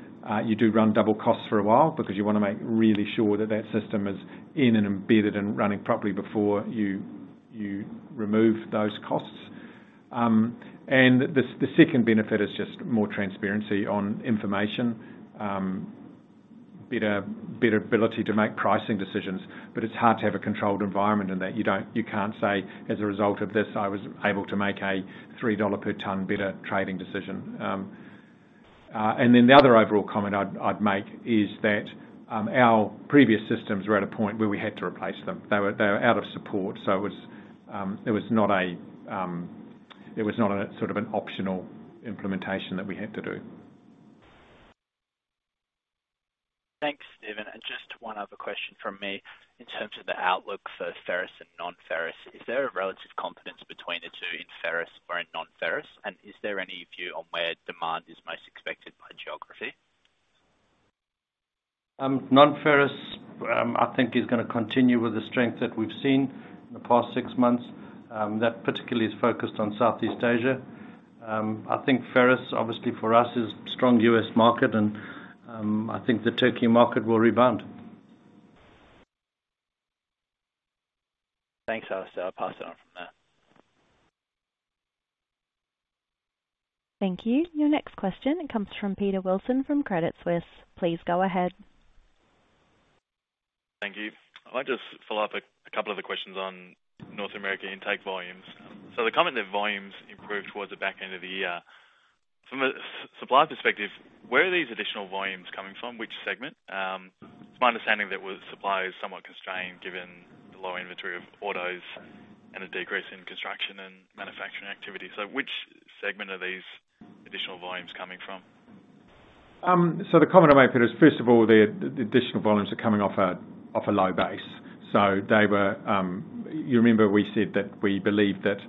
double costs for a while because you want to make really sure that system is in and embedded and running properly before you remove those costs. The second benefit is just more transparency on information, better ability to make pricing decisions. It's hard to have a controlled environment in that you don't, you can't say, "As a result of this, I was able to make a $3 per ton better trading decision." The other overall comment I'd make is that our previous systems were at a point where we had to replace them. They were out of support, so it was not a sort of an optional implementation that we had to do. Thanks, Steven. Just one other question from me. In terms of the outlook for ferrous and non-ferrous, is there a relative competence between the two in ferrous or in non-ferrous? Is there any view on where demand is most expected by geography? Non-ferrous, I think is going to continue with the strength that we've seen in the past six months, that particularly is focused on Southeast Asia. I think ferrous, obviously for us, is strong U.S. market and I think the Turkey market will rebound. Thanks, Alistair. I'll pass it on from there. Thank you. Your next question comes from Peter Wilson from Credit Suisse. Please go ahead. Thank you. I'd like to just follow up a couple of the questions on North America intake volumes. The comment that volumes improved towards the back end of the year. From a supply perspective, where are these additional volumes coming from? Which segment? It's my understanding that with supply is somewhat constrained given the low inventory of autos and a decrease in construction and manufacturing activity. Which segment are these additional volumes coming from? The comment I made, Peter, is first of all, the additional volumes are coming off a low base. They were, you remember we said that we believe that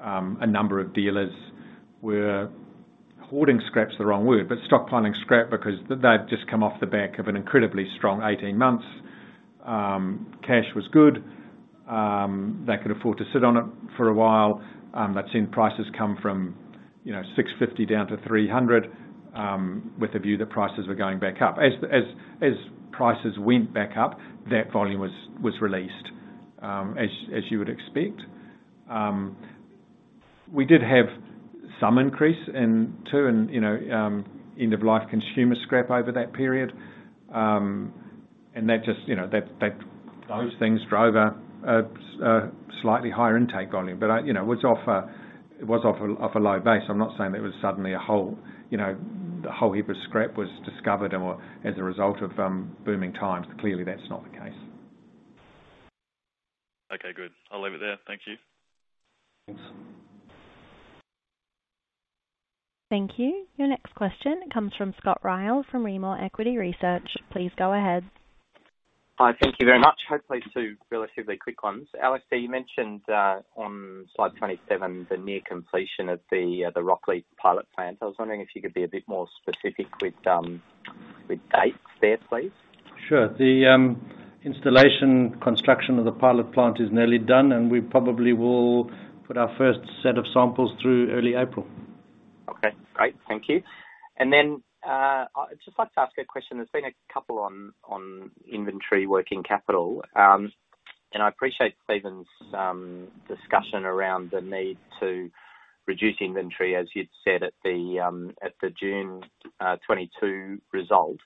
a number of dealers were hoarding scrap is the wrong word, but stockpiling scrap because they've just come off the back of an incredibly strong 18 months. Cash was good. They could afford to sit on it for a while. They'd seen prices come from, you know, $650 down to $300 with a view that prices were going back up. As prices went back up, that volume was released as you would expect. We did have some increase in tune, you know, end-of-life consumer scrap over that period. That just, you know, that, those things drove a slightly higher intake volume. I, you know, it was off a low base. I'm not saying there was suddenly a whole, you know, a whole heap of scrap was discovered or as a result of booming times. Clearly, that's not the case. Okay, good. I'll leave it there. Thank you. Thanks. Thank you. Your next question comes from Scott Ryall from RydeR Equity Research Please go ahead. Hi. Thank you very much. Hopefully two relatively quick ones. Alistair, you mentioned on slide 27, the near completion of the Rocklea pilot plant. I was wondering if you could be a bit more specific with dates there, please. Sure. The installation construction of the pilot plant is nearly done. We probably will put our first set of samples through early April. Okay. Great. Thank you. I'd just like to ask a question. There's been a couple on inventory working capital, and I appreciate Stephen's discussion around the need to reduce inventory, as you'd said at the June 2022 results.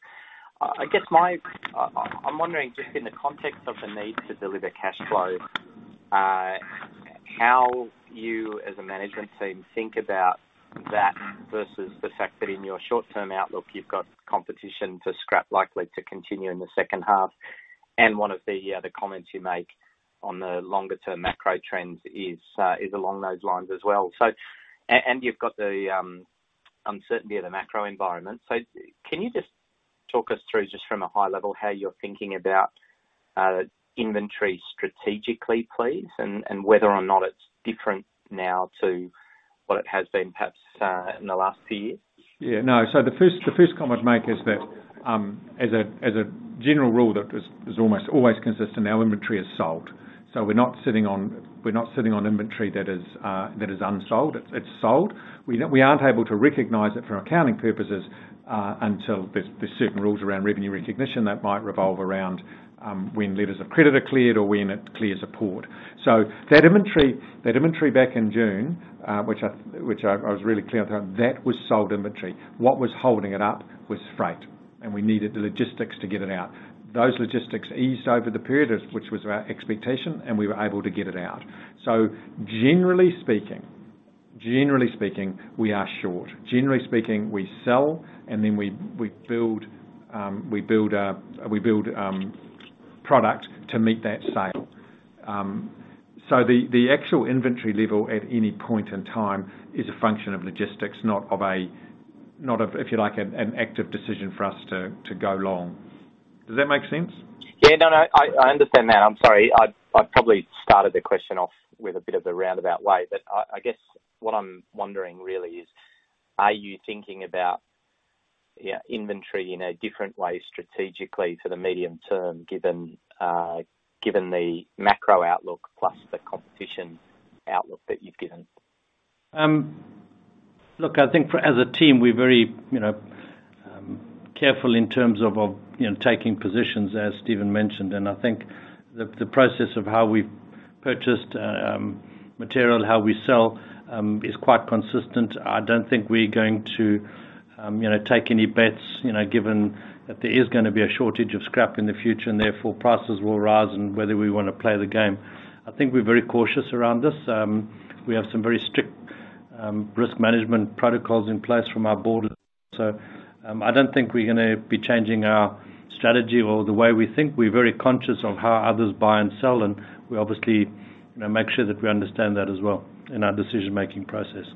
I'm wondering just in the context of the need to deliver cash flow, how you as a management team think about that versus the fact that in your short-term outlook, you've got competition for scrap likely to continue in the second half, and one of the comments you make on the longer term macro trends is along those lines as well, and you've got the uncertainty of the macro environment? Can you just talk us through, just from a high level, how you're thinking about inventory strategically, please, and whether or not it's different now to what it has been, perhaps, in the last few years? Yeah. No. The first comment to make is that, as a general rule that is almost always consistent, our inventory is sold. We're not sitting on inventory that is unsold. It's sold. We aren't able to recognize it for accounting purposes until there's certain rules around revenue recognition that might revolve around when letters of credit are cleared or when it clears a port. That inventory back in June, which I was really clear on, that was sold inventory. What was holding it up was freight, and we needed the logistics to get it out. Those logistics eased over the period, which was our expectation, and we were able to get it out. Generally speaking, we are short. Generally speaking, we sell, and then we build product to meet that sale. The actual inventory level at any point in time is a function of logistics, not of, if you like, an active decision for us to go long. Does that make sense? Yeah. No, no. I understand that. I'm sorry. I probably started the question off with a bit of a roundabout way. I guess what I'm wondering really is, are you thinking about, you know, inventory in a different way strategically for the medium term, given given the macro outlook plus the competition outlook that you've given? Look, I think for, as a team, we're very, you know, careful in terms of, you know, taking positions, as Stephen mentioned. I think the process of how we've purchased material and how we sell is quite consistent. I don't think we're going to, you know, take any bets, you know, given that there is going to be a shortage of scrap in the future and therefore prices will rise and whether we want to play the game. I think we're very cautious around this. We have some very strict risk management protocols in place from our board. I don't think we're going to be changing our strategy or the way we think. We're very conscious of how others buy and sell, and we obviously, you know, make sure that we understand that as well in our decision-making process.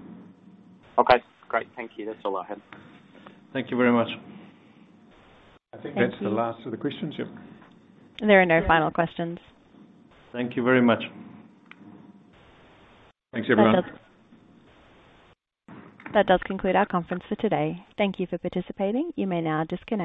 Okay. Great. Thank you. That's all I had. Thank you very much. Thank you. I think that's the last of the questions, yep. There are no final questions. Thank you very much. Thanks, everyone. That does conclude our conference for today. Thank you for participating. You may now disconnect.